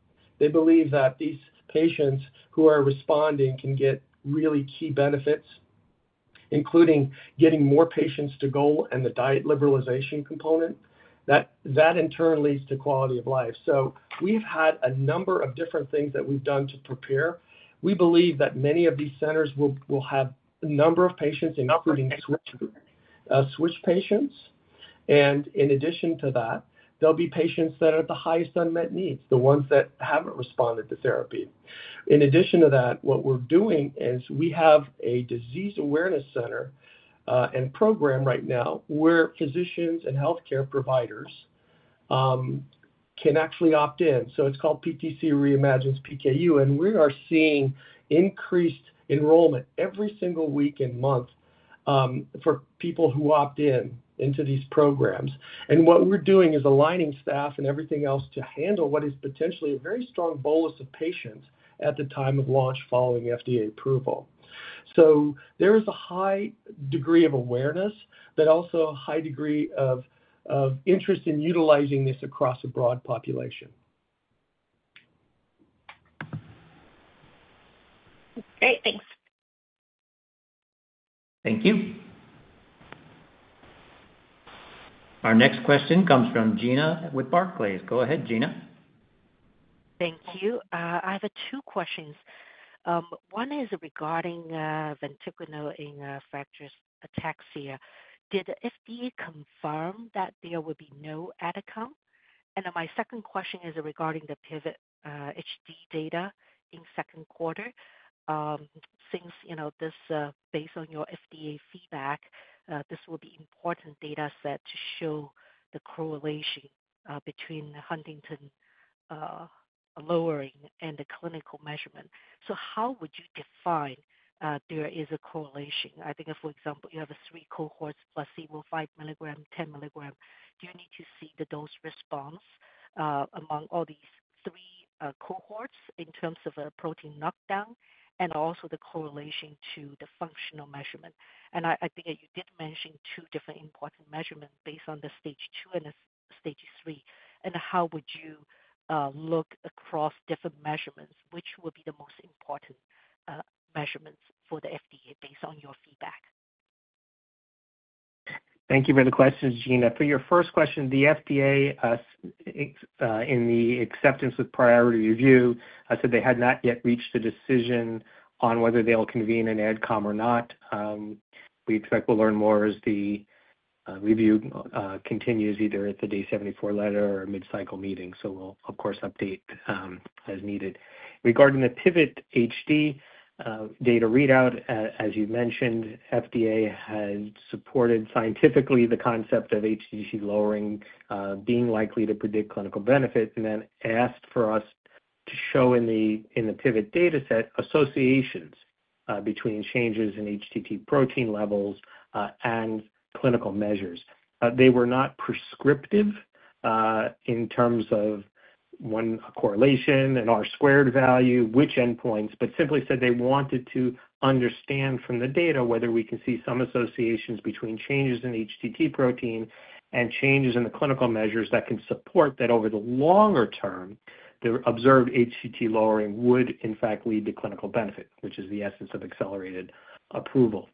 They believe that these patients who are responding can get really key benefits, including getting more patients to goal and the diet liberalization component. That in turn leads to quality of life. So we've had a number of different things that we've done to prepare. We believe that many of these centers will have a number of patients in operating switch patients. And in addition to that, there'll be patients that are at the highest unmet needs, the ones that haven't responded to therapy. In addition to that, what we're doing is we have a disease awareness center and program right now where physicians and healthcare providers can actually opt in. So it's called PTC Reimagines PKU. And we are seeing increased enrollment every single week and month for people who opt in to these programs. And what we're doing is aligning staff and everything else to handle what is potentially a very strong bolus of patients at the time of launch following FDA approval. There is a high degree of awareness, but also a high degree of interest in utilizing this across a broad population. Great. Thanks. Thank you. Our next question comes from Gena with Barclays. Go ahead, Gena. Thank you. I have two questions. One is regarding Friedreich's ataxia. Did the FDA confirm that there would be no AdCom? And my second question is regarding the PIVOT-HD data in second quarter. Since this, based on your FDA feedback, this will be an important data set to show the correlation between huntingtin protein and the clinical measurement. So how would you define there is a correlation? I think, for example, you have three cohorts: placebo, 5 mg, 10 mg. Do you need to see the dose response among all these three cohorts in terms of a protein knockdown and also the correlation to the functional measurement? And I think you did mention two different important measurements based on the stage 2 and stage 3. And how would you look across different measurements? Which will be the most important measurements for the FDA based on your feedback? Thank you for the questions, Gena. For your first question, the FDA in the acceptance with Priority Review said they had not yet reached a decision on whether they'll convene an AdCom or not. We expect we'll learn more as the review continues either at the Day 74 Letter or Mid-Cycle Meeting. So we'll, of course, update as needed. Regarding the PIVOT-HD data readout, as you mentioned, FDA has supported scientifically the concept of HTT lowering being likely to predict clinical benefit and then asked for us to show in the PIVOT-HD data set associations between changes in HTT protein levels and clinical measures. They were not prescriptive in terms of one correlation and R-squared value, which endpoints, but simply said they wanted to understand from the data whether we can see some associations between changes in HTT protein and changes in the clinical measures that can support that over the longer term, the observed HTT lowering would, in fact, lead to clinical benefit, which is the essence of Accelerated Approval,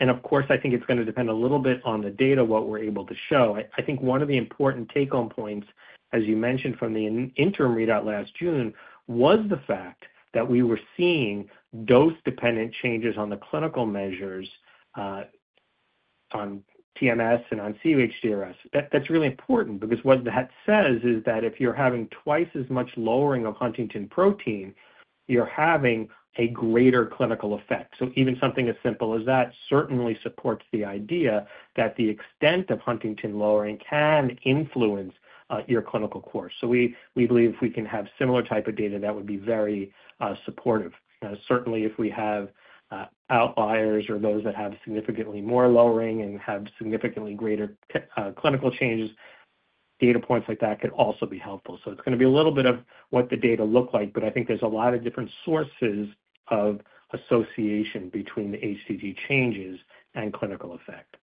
and of course, I think it's going to depend a little bit on the data, what we're able to show. I think one of the important take-home points, as you mentioned from the interim readout last June, was the fact that we were seeing dose-dependent changes on the clinical measures on TMS and on UHDRS. That's really important because what that says is that if you're having twice as much lowering of huntingtin protein, you're having a greater clinical effect. So even something as simple as that certainly supports the idea that the extent of huntingtin protein can influence your clinical course. So we believe if we can have a similar type of data, that would be very supportive. Certainly, if we have outliers or those that have significantly more lowering and have significantly greater clinical changes, data points like that could also be helpful. So it's going to be a little bit of what the data look like, but I think there's a lot of different sources of association between the HTT changes and clinical effect.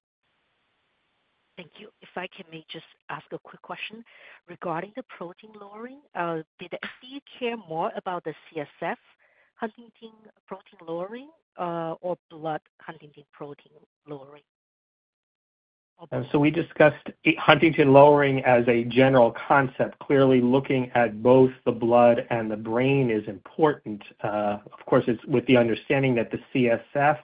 Thank you. If I can maybe just ask a quick question regarding the protein lowering, did the FDA care more about the CSF huntingtin protein lowering or blood huntingtin protein lowering? So we discussed huntingtin lowering as a general concept. Clearly, looking at both the blood and the brain is important. Of course, it's with the understanding that the CSF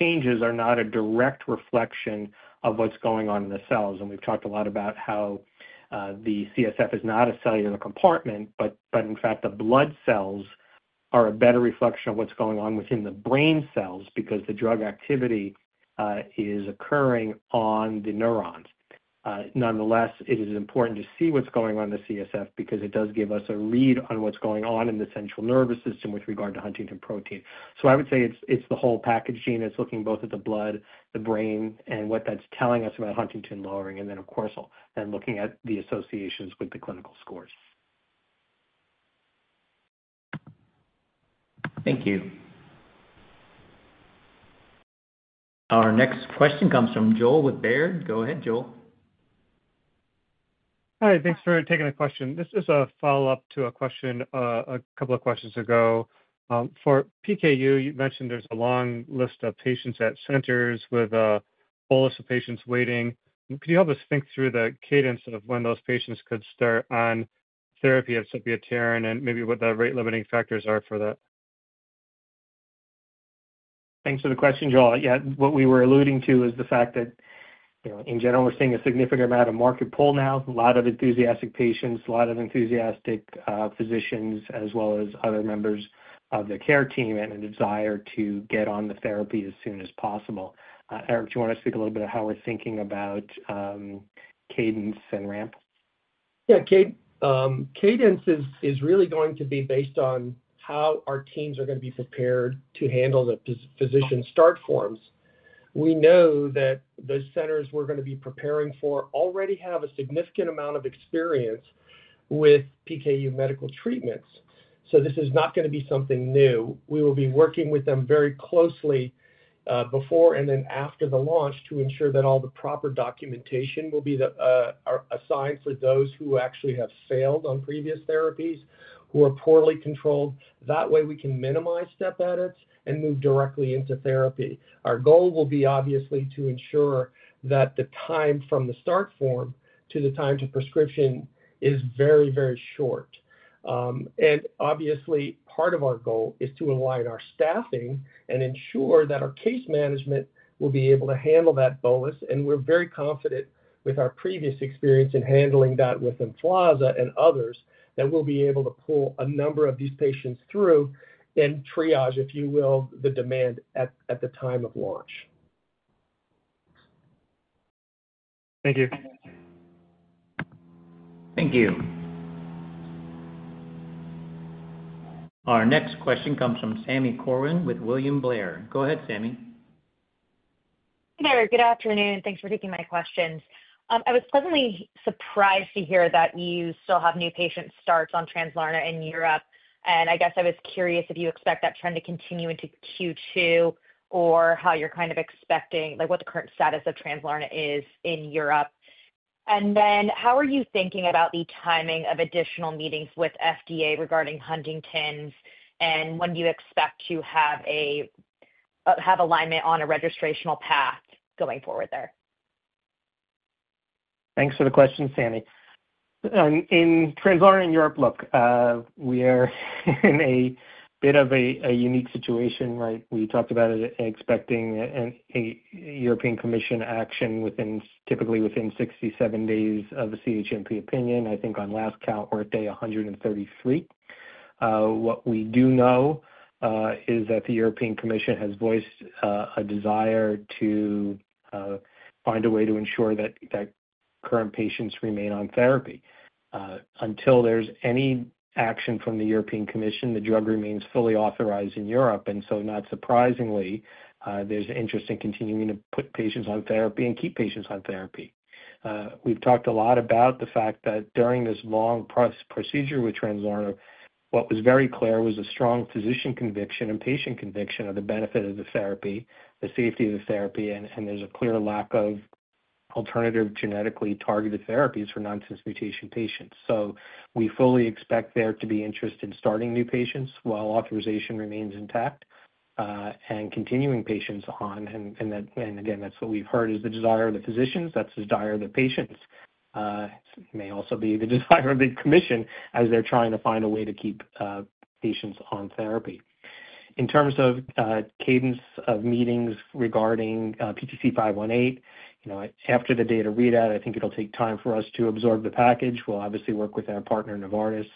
changes are not a direct reflection of what's going on in the cells. And we've talked a lot about how the CSF is not a cellular compartment, but in fact, the blood cells are a better reflection of what's going on within the brain cells because the drug activity is occurring on the neurons. Nonetheless, it is important to see what's going on in the CSF because it does give us a read on what's going on in the central nervous system with regard to huntingtin protein. So I would say it's the whole package, Gena. It's looking both at the blood, the brain, and what that's telling us about huntingtin lowering. Of course, looking at the associations with the clinical scores. Thank you. Our next question comes from Joel with Baird. Go ahead, Joel. Hi. Thanks for taking the question. This is a follow-up to a couple of questions ago. For PKU, you mentioned there's a long list of patients at centers with a bolus of patients waiting. Could you help us think through the cadence of when those patients could start on therapy of sepiapterin and maybe what the rate-limiting factors are for that? Thanks for the question, Joel. Yeah. What we were alluding to is the fact that, in general, we're seeing a significant amount of market pull now. A lot of enthusiastic patients, a lot of enthusiastic physicians, as well as other members of the care team and a desire to get on the therapy as soon as possible. Eric, do you want to speak a little bit about how we're thinking about cadence and ramp? Yeah. Cadence is really going to be based on how our teams are going to be prepared to handle the physician start forms. We know that the centers we're going to be preparing for already have a significant amount of experience with PKU medical treatments. So this is not going to be something new. We will be working with them very closely before and then after the launch to ensure that all the proper documentation will be assigned for those who actually have failed on previous therapies, who are poorly controlled. That way, we can minimize step edits and move directly into therapy. Our goal will be, obviously, to ensure that the time from the start form to the time to prescription is very, very short. And obviously, part of our goal is to align our staffing and ensure that our case management will be able to handle that bolus. And we're very confident with our previous experience in handling that with Emflaza and others that we'll be able to pull a number of these patients through and triage, if you will, the demand at the time of launch. Thank you. Thank you. Our next question comes from Sami Corwin with William Blair. Go ahead, Sami. Hey there. Good afternoon. Thanks for taking my questions. I was pleasantly surprised to hear that you still have new patient starts on Translarna in Europe, and I guess I was curious if you expect that trend to continue into Q2 or how you're kind of expecting what the current status of Translarna is in Europe, and then how are you thinking about the timing of additional meetings with FDA regarding Huntington and when you expect to have alignment on a registrational path going forward there? Thanks for the question, Sami. In Translarna, in Europe, look, we are in a bit of a unique situation, right? We talked about expecting European Commission action typically within 6-7 days of a CHMP opinion. I think on last count, we're at day 133. What we do know is that the European Commission has voiced a desire to find a way to ensure that current patients remain on therapy. Until there's any action from the European Commission, the drug remains fully authorized in Europe. And so not surprisingly, there's interest in continuing to put patients on therapy and keep patients on therapy. We've talked a lot about the fact that during this long procedure with Translarna, what was very clear was a strong physician conviction and patient conviction of the benefit of the therapy, the safety of the therapy, and there's a clear lack of alternative genetically targeted therapies for nonsense mutation patients. So we fully expect there to be interest in starting new patients while authorization remains intact and continuing patients on. And again, that's what we've heard is the desire of the physicians. That's the desire of the patients. It may also be the desire of the commission as they're trying to find a way to keep patients on therapy. In terms of cadence of meetings regarding PTC518, after the data readout, I think it'll take time for us to absorb the package. We'll obviously work with our partner, Novartis,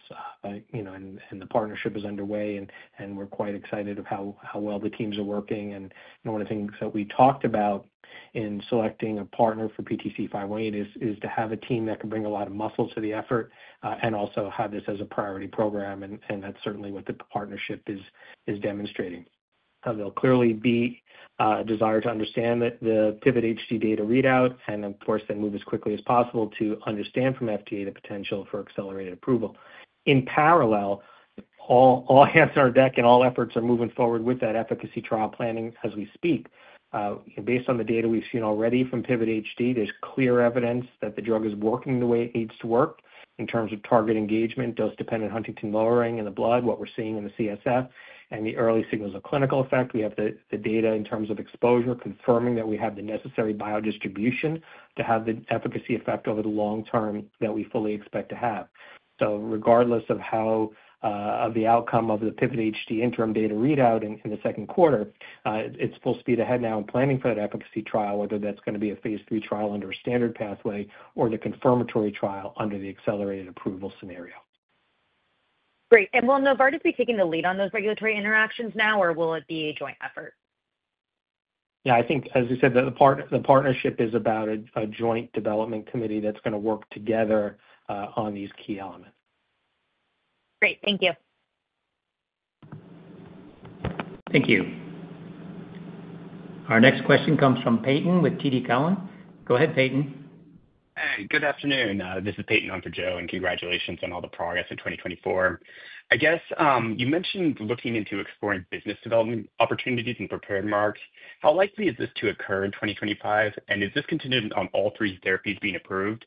and the partnership is underway. We're quite excited about how well the teams are working. One of the things that we talked about in selecting a partner for PTC518 is to have a team that can bring a lot of muscle to the effort and also have this as a priority program. That's certainly what the partnership is demonstrating. There'll clearly be a desire to understand the PIVOT-HD data readout and, of course, then move as quickly as possible to understand from FDA the potential for Accelerated Approval. In parallel, all hands on deck and all efforts are moving forward with that efficacy trial planning as we speak. Based on the data we've seen already from PIVOT-HD, there's clear evidence that the drug is working the way it needs to work in terms of target engagement, dose-dependent huntingtin lowering in the blood, what we're seeing in the CSF, and the early signals of clinical effect. We have the data in terms of exposure confirming that we have the necessary biodistribution to have the efficacy effect over the long term that we fully expect to have. So regardless of the outcome of the PIVOT-HD interim data readout in the second quarter, it's full speed ahead now and planning for that efficacy trial, whether that's going to be a phase III trial under a standard pathway or the confirmatory trial under the Accelerated Approval scenario. Great. And will Novartis be taking the lead on those regulatory interactions now, or will it be a joint effort? Yeah. I think, as you said, the partnership is about a joint development committee that's going to work together on these key elements. Great. Thank you. Thank you. Our next question comes from Peyton with TD Cowen. Go ahead, Peyton. Hey. Good afternoon. This is Peyton on for Joe, and congratulations on all the progress in 2024. I guess you mentioned looking into exploring business development opportunities and partner markets. How likely is this to occur in 2025? And is this contingent on all three therapies being approved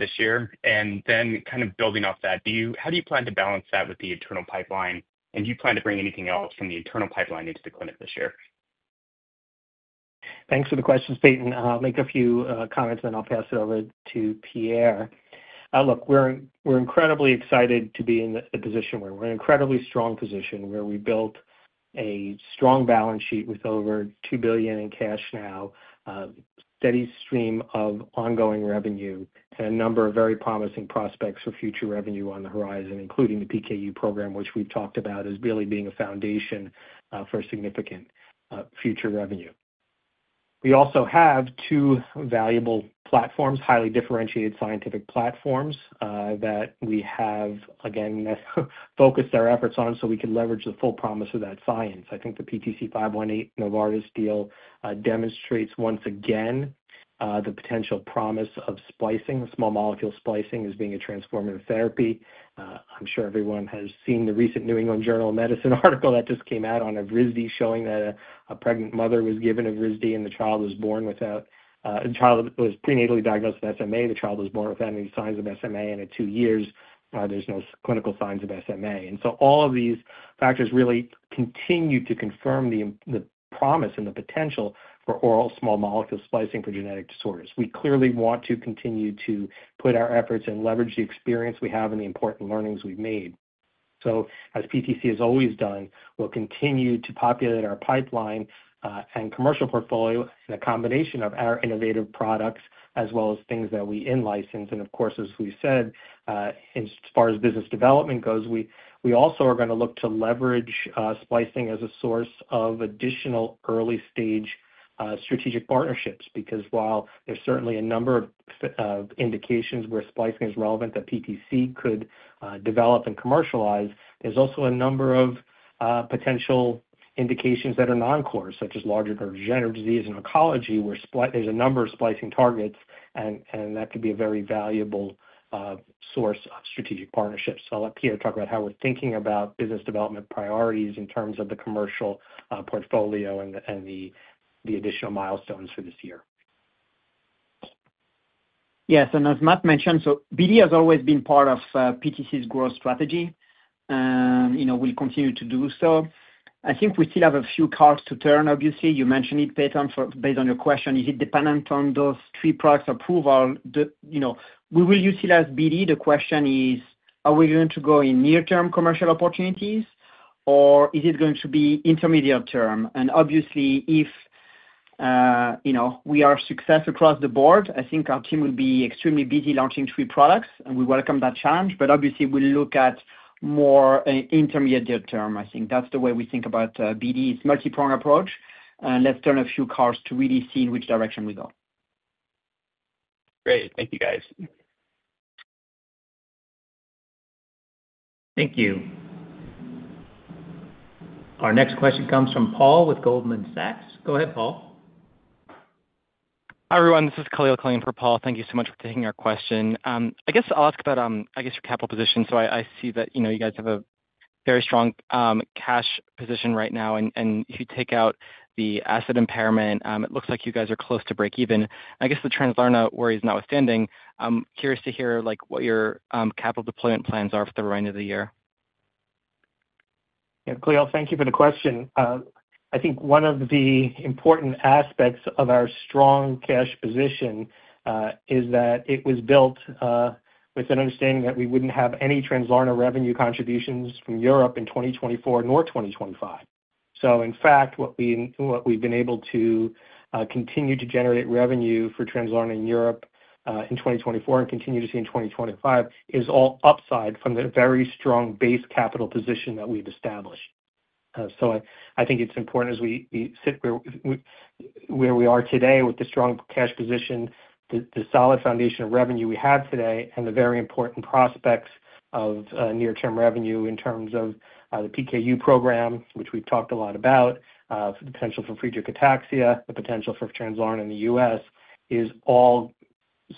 this year? And then kind of building off that, how do you plan to balance that with the internal pipeline? And do you plan to bring anything else from the internal pipeline into the clinic this year? Thanks for the questions, Peyton. I'll make a few comments, and then I'll pass it over to Pierre. Look, we're incredibly excited to be in the position where we're in an incredibly strong position where we built a strong balance sheet with over $2 billion in cash now, a steady stream of ongoing revenue, and a number of very promising prospects for future revenue on the horizon, including the PKU program, which we've talked about as really being a foundation for significant future revenue. We also have two valuable platforms, highly differentiated scientific platforms that we have, again, focused our efforts on so we can leverage the full promise of that science. I think the PTC518 Novartis deal demonstrates once again the potential promise of splicing, small molecule splicing as being a transformative therapy. I'm sure everyone has seen the recent New England Journal of Medicine article that just came out on Evrysdi showing that a pregnant mother was given Evrysdi, and the child was born without a child that was prenatally diagnosed with SMA. The child was born without any signs of SMA, and at two years, there's no clinical signs of SMA. And so all of these factors really continue to confirm the promise and the potential for oral small molecule splicing for genetic disorders. We clearly want to continue to put our efforts and leverage the experience we have and the important learnings we've made. So as PTC has always done, we'll continue to populate our pipeline and commercial portfolio and a combination of our innovative products as well as things that we in-license. And of course, as we said, as far as business development goes, we also are going to look to leverage splicing as a source of additional early-stage strategic partnerships because while there's certainly a number of indications where splicing is relevant that PTC could develop and commercialize, there's also a number of potential indications that are non-core, such as larger neurodegenerative disease and oncology, where there's a number of splicing targets, and that could be a very valuable source of strategic partnerships. So I'll let Pierre talk about how we're thinking about business development priorities in terms of the commercial portfolio and the additional milestones for this year. Yes. And as Matt mentioned, so BD has always been part of PTC's growth strategy and will continue to do so. I think we still have a few cards to turn, obviously. You mentioned it, Peyton, based on your question, is it dependent on those three products approval? We will utilize BD. The question is, are we going to go in near-term commercial opportunities, or is it going to be intermediate term? And obviously, if we are success across the board, I think our team will be extremely busy launching three products, and we welcome that challenge. But obviously, we'll look at more intermediate term. I think that's the way we think about BD, its multi-pronged approach. And let's turn a few cards to really see in which direction we go. Great. Thank you, guys. Thank you. Our next question comes from Paul with Goldman Sachs. Go ahead, Paul. Hi, everyone. This is Khalil calling in for Paul. Thank you so much for taking our question. I guess I'll ask about, I guess, your capital position. So I see that you guys have a very strong cash position right now. And if you take out the asset impairment, it looks like you guys are close to break even. I guess the Translarna worries notwithstanding, curious to hear, what your capital deployment plans are for the remainder of the year? Yeah. Khalil, thank you for the question. I think one of the important aspects of our strong cash position is that it was built with an understanding that we wouldn't have any Translarna revenue contributions from Europe in 2024 nor 2025. So in fact, what we've been able to continue to generate revenue for Translarna in Europe in 2024 and continue to see in 2025 is all upside from the very strong base capital position that we've established. So I think it's important as we sit where we are today with the strong cash position, the solid foundation of revenue we have today, and the very important prospects of near-term revenue in terms of the PKU program, which we've talked a lot about, the potential for Friedreich's ataxia, the potential for Translarna in the U.S. is all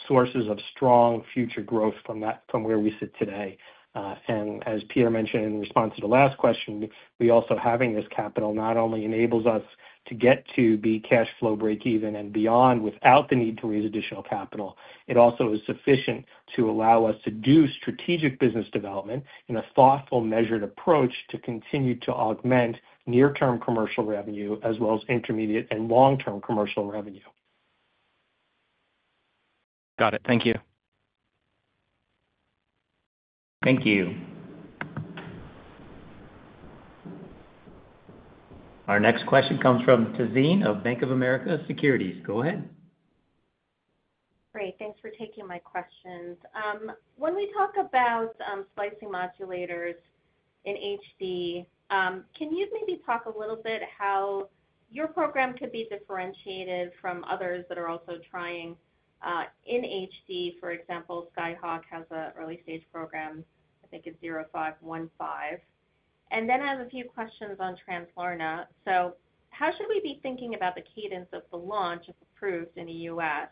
sources of strong future growth from where we sit today. As Pierre mentioned in response to the last question, we also have this capital not only enables us to get to be cash flow breakeven and beyond without the need to raise additional capital. It also is sufficient to allow us to do strategic business development in a thoughtful, measured approach to continue to augment near-term commercial revenue as well as intermediate and long-term commercial revenue. Got it. Thank you. Thank you. Our next question comes from Tazeen of Bank of America Securities. Go ahead. Great. Thanks for taking my questions. When we talk about splicing modulators in HD, can you maybe talk a little bit how your program could be differentiated from others that are also trying in HD? For example, Skyhawk has an early-stage program, I think, it's 0515. And then I have a few questions on Translarna. So how should we be thinking about the cadence of the launch if approved in the US?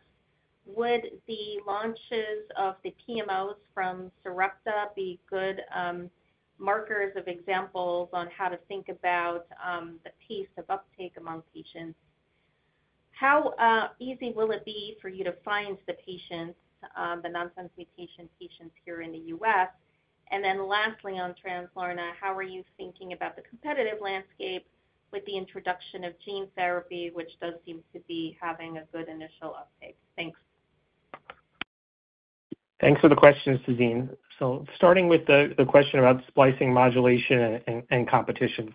Would the launches of the PMOs from Sarepta be good markers of examples on how to think about the pace of uptake among patients? How easy will it be for you to find the patients, the nonsense mutation patients here in the US? And then lastly, on Translarna, how are you thinking about the competitive landscape with the introduction of gene therapy, which does seem to be having a good initial uptake? Thanks. Thanks for the question, Tazeen. So starting with the question about splicing modulation and competition,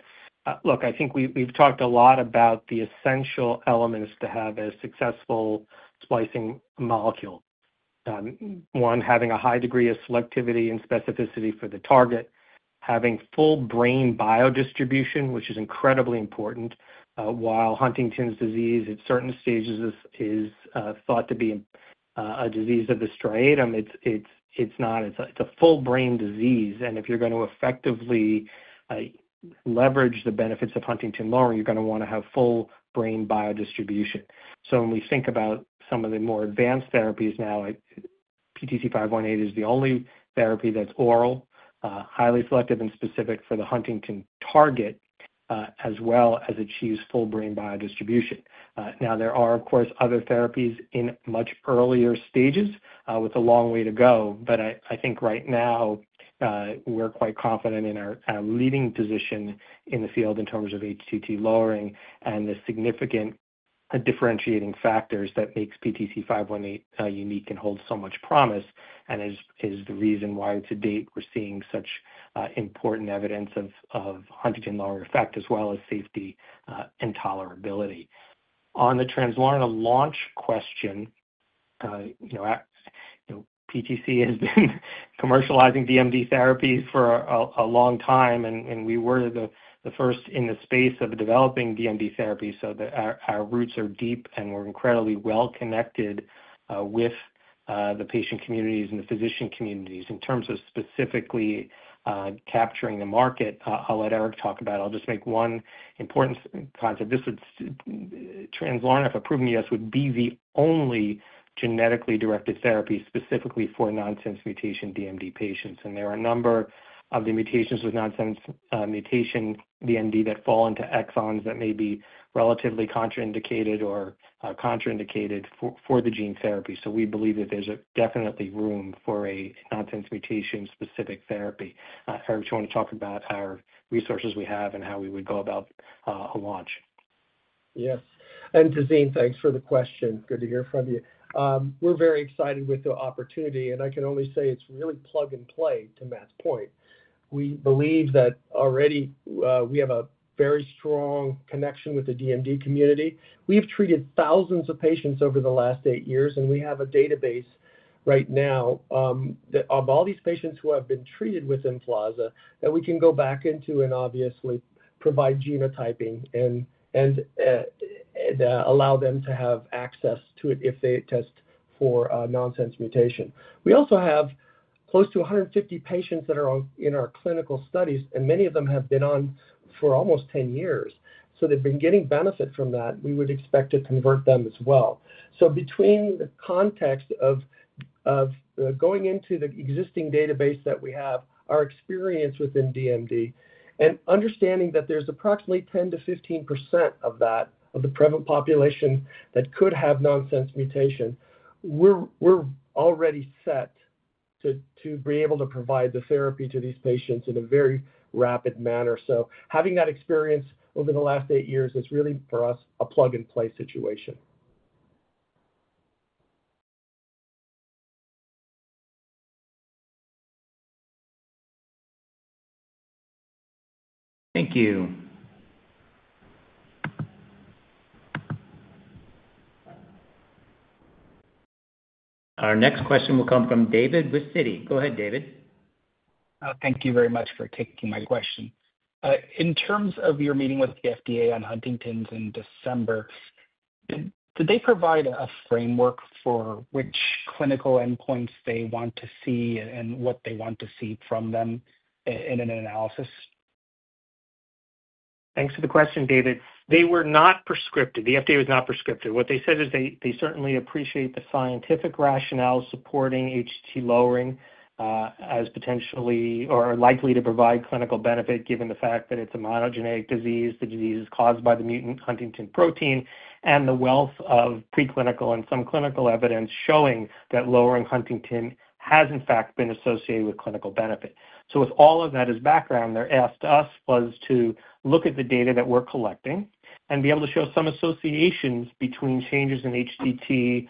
look, I think we've talked a lot about the essential elements to have a successful splicing molecule. One, having a high degree of selectivity and specificity for the target, having full brain biodistribution, which is incredibly important. While Huntington's disease at certain stages is thought to be a disease of the striatum, it's not. It's a full brain disease. And if you're going to effectively leverage the benefits of huntingtin protein, you're going to want to have full brain biodistribution. So when we think about some of the more advanced therapies now, PTC518 is the only therapy that's oral, highly selective and specific for the huntingtin target, as well as achieves full brain biodistribution. Now, there are, of course, other therapies in much earlier stages with a long way to go. But I think right now, we're quite confident in our leading position in the field in terms of HTT lowering and the significant differentiating factors that make PTC518 unique and hold so much promise and is the reason why to date we're seeing such important evidence of huntingtin lowering effect as well as safety and tolerability. On the Translarna launch question, PTC has been commercializing DMD therapies for a long time, and we were the first in the space of developing DMD therapies. So our roots are deep, and we're incredibly well connected with the patient communities and the physician communities in terms of specifically capturing the market. I'll let Eric talk about it. I'll just make one important concept. This would Translarna, if approved in the U.S., would be the only genetically directed therapy specifically for nonsense mutation DMD patients. There are a number of the mutations with nonsense mutation DMD that fall into exons that may be relatively contraindicated or contraindicated for the gene therapy. We believe that there's definitely room for a nonsense mutation-specific therapy. Eric, do you want to talk about our resources we have and how we would go about a launch? Yes. Tazeen, thanks for the question. Good to hear from you. We're very excited with the opportunity, and I can only say it's really plug and play to Matt's point. We believe that already we have a very strong connection with the DMD community. We've treated thousands of patients over the last eight years, and we have a database right now of all these patients who have been treated with Emflaza that we can go back into and obviously provide genotyping and allow them to have access to it if they test for nonsense mutation. We also have close to 150 patients that are in our clinical studies, and many of them have been on for almost 10 years, so they've been getting benefit from that. We would expect to convert them as well, so between the context of going into the existing database that we have, our experience within DMD, and understanding that there's approximately 10%-15% of that of the prevalent population that could have nonsense mutation, we're already set to be able to provide the therapy to these patients in a very rapid manner. Having that experience over the last eight years is really for us a plug and play situation. Thank you. Our next question will come from David with Citi. Go ahead, David. Thank you very much for taking my question. In terms of your meeting with the FDA on Huntington's in December, did they provide a framework for which clinical endpoints they want to see and what they want to see from them in an analysis? Thanks for the question, David. They were not prescriptive. The FDA was not prescriptive. What they said is they certainly appreciate the scientific rationale supporting HTT lowering as potentially or likely to provide clinical benefit given the fact that it's a monogenic disease, the disease is caused by the mutant huntingtin protein, and the wealth of preclinical and some clinical evidence showing that lowering huntingtin has in fact been associated with clinical benefit. With all of that as background, their ask to us was to look at the data that we're collecting and be able to show some associations between changes in HTT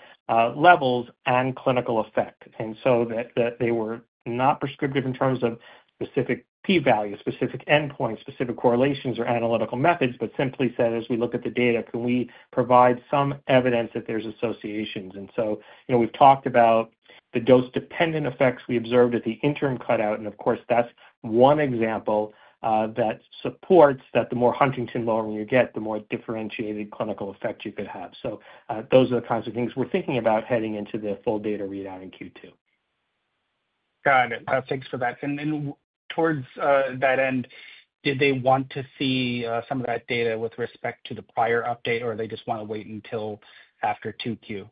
levels and clinical effect. And so they were not prescriptive in terms of specific P-values, specific endpoints, specific correlations, or analytical methods, but simply said, as we look at the data, can we provide some evidence that there's associations? And so we've talked about the dose-dependent effects we observed at the interim cutoff. And of course, that's one example that supports that the more huntingtin protein you get, the more differentiated clinical effect you could have. So those are the kinds of things we're thinking about heading into the full data readout in Q2. Got it. Thanks for that. Then towards that end, did they want to see some of that data with respect to the prior update, or they just want to wait until after 2Q?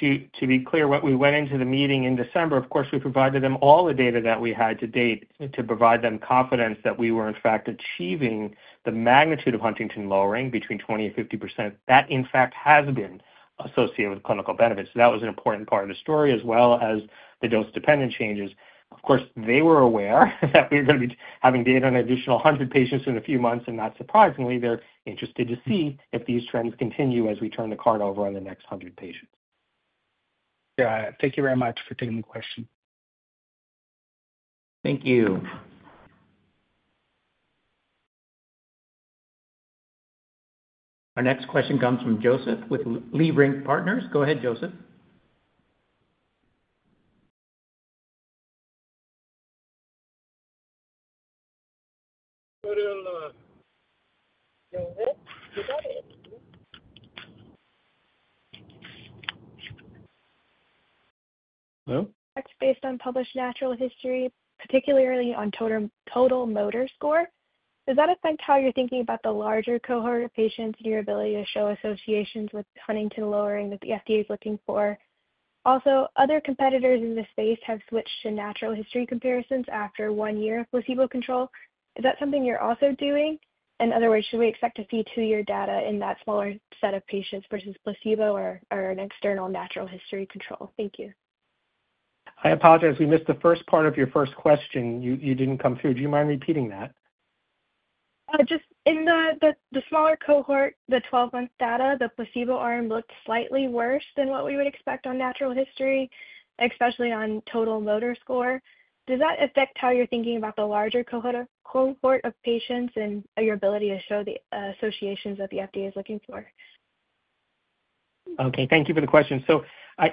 To be clear, what we went into the meeting in December, of course, we provided them all the data that we had to date to provide them confidence that we were in fact achieving the magnitude of huntingtin protein between 20%, 50%. That, in fact, has been associated with clinical benefits. That was an important part of the story as well as the dose-dependent changes. Of course, they were aware that we were going to be having data on an additional 100 patients in a few months. Not surprisingly, they're interested to see if these trends continue as we turn the card over on the next 100 patients. Yeah. Thank you very much for taking the question. Thank you. Our next question comes from Joseph with Leerink Partners. Go ahead, Joseph. That's based on published natural history, particularly on Total Motor Score. Does that affect how you're thinking about the larger cohort of patients and your ability to show associations with huntingtin protein that the FDA is looking for? Also, other competitors in this space have switched to natural history comparisons after one year of placebo control. Is that something you're also doing? In other words, should we expect to see two-year data in that smaller set of patients versus placebo or an external natural history control? Thank you. I apologize. We missed the first part of your first question. You didn't come through. Do you mind repeating that? Just in the smaller cohort, the 12-month data, the placebo arm looked slightly worse than what we would expect on natural history, especially on Total Motor Score. Does that affect how you're thinking about the larger cohort of patients and your ability to show the associations that the FDA is looking for? Okay. Thank you for the question. So I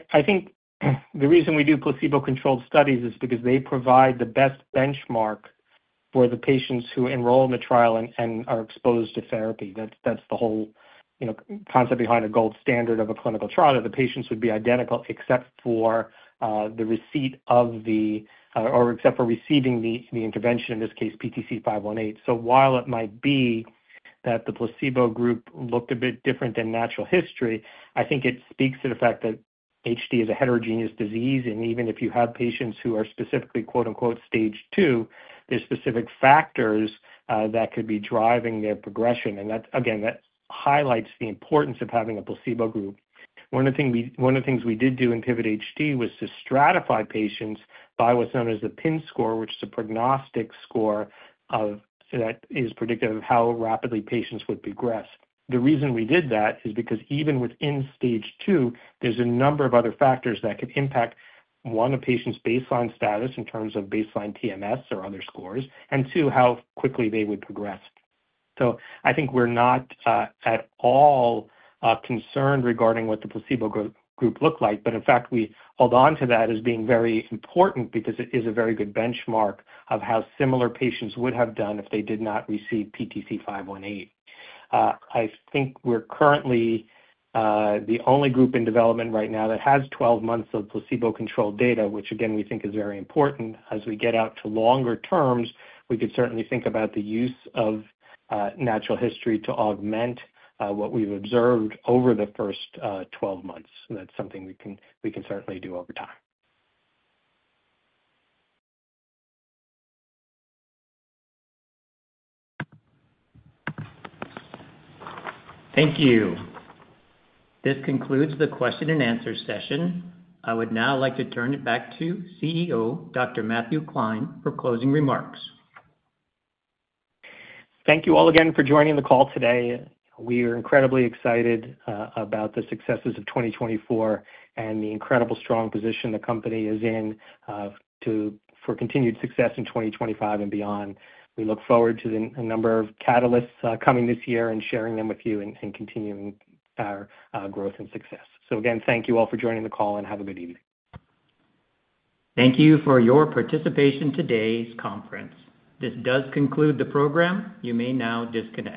think the reason we do placebo-controlled studies is because they provide the best benchmark for the patients who enroll in the trial and are exposed to therapy. That's the whole concept behind a gold standard of a clinical trial, that the patients would be identical except for receiving the intervention, in this case, PTC518. So while it might be that the placebo group looked a bit different than natural history, I think it speaks to the fact that HD is a heterogeneous disease. And even if you have patients who are specifically "Stage 2," there's specific factors that could be driving their progression. And again, that highlights the importance of having a placebo group. One of the things we did do in PIVOT HD was to stratify patients by what's known as the PIN score, which is a prognostic score that is predictive of how rapidly patients would progress. The reason we did that is because even within stage 2, there's a number of other factors that could impact, one, a patient's baseline status in terms of baseline TMS or other scores, and two, how quickly they would progress. So I think we're not at all concerned regarding what the placebo group looked like. But in fact, we hold on to that as being very important because it is a very good benchmark of how similar patients would have done if they did not receive PTC518. I think we're currently the only group in development right now that has 12 months of placebo-controlled data, which, again, we think is very important. As we get out to longer terms, we could certainly think about the use of natural history to augment what we've observed over the first 12 months. That's something we can certainly do over time. Thank you. This concludes the question-and-answer session. I would now like to turn it back to CEO Dr. Matthew Klein for closing remarks. Thank you all again for joining the call today. We are incredibly excited about the successes of 2024 and the incredibly strong position the company is in for continued success in 2025 and beyond. We look forward to a number of catalysts coming this year and sharing them with you and continuing our growth and success. So again, thank you all for joining the call, and have a good evening. Thank you for your participation in today's conference. This does conclude the program. You may now disconnect.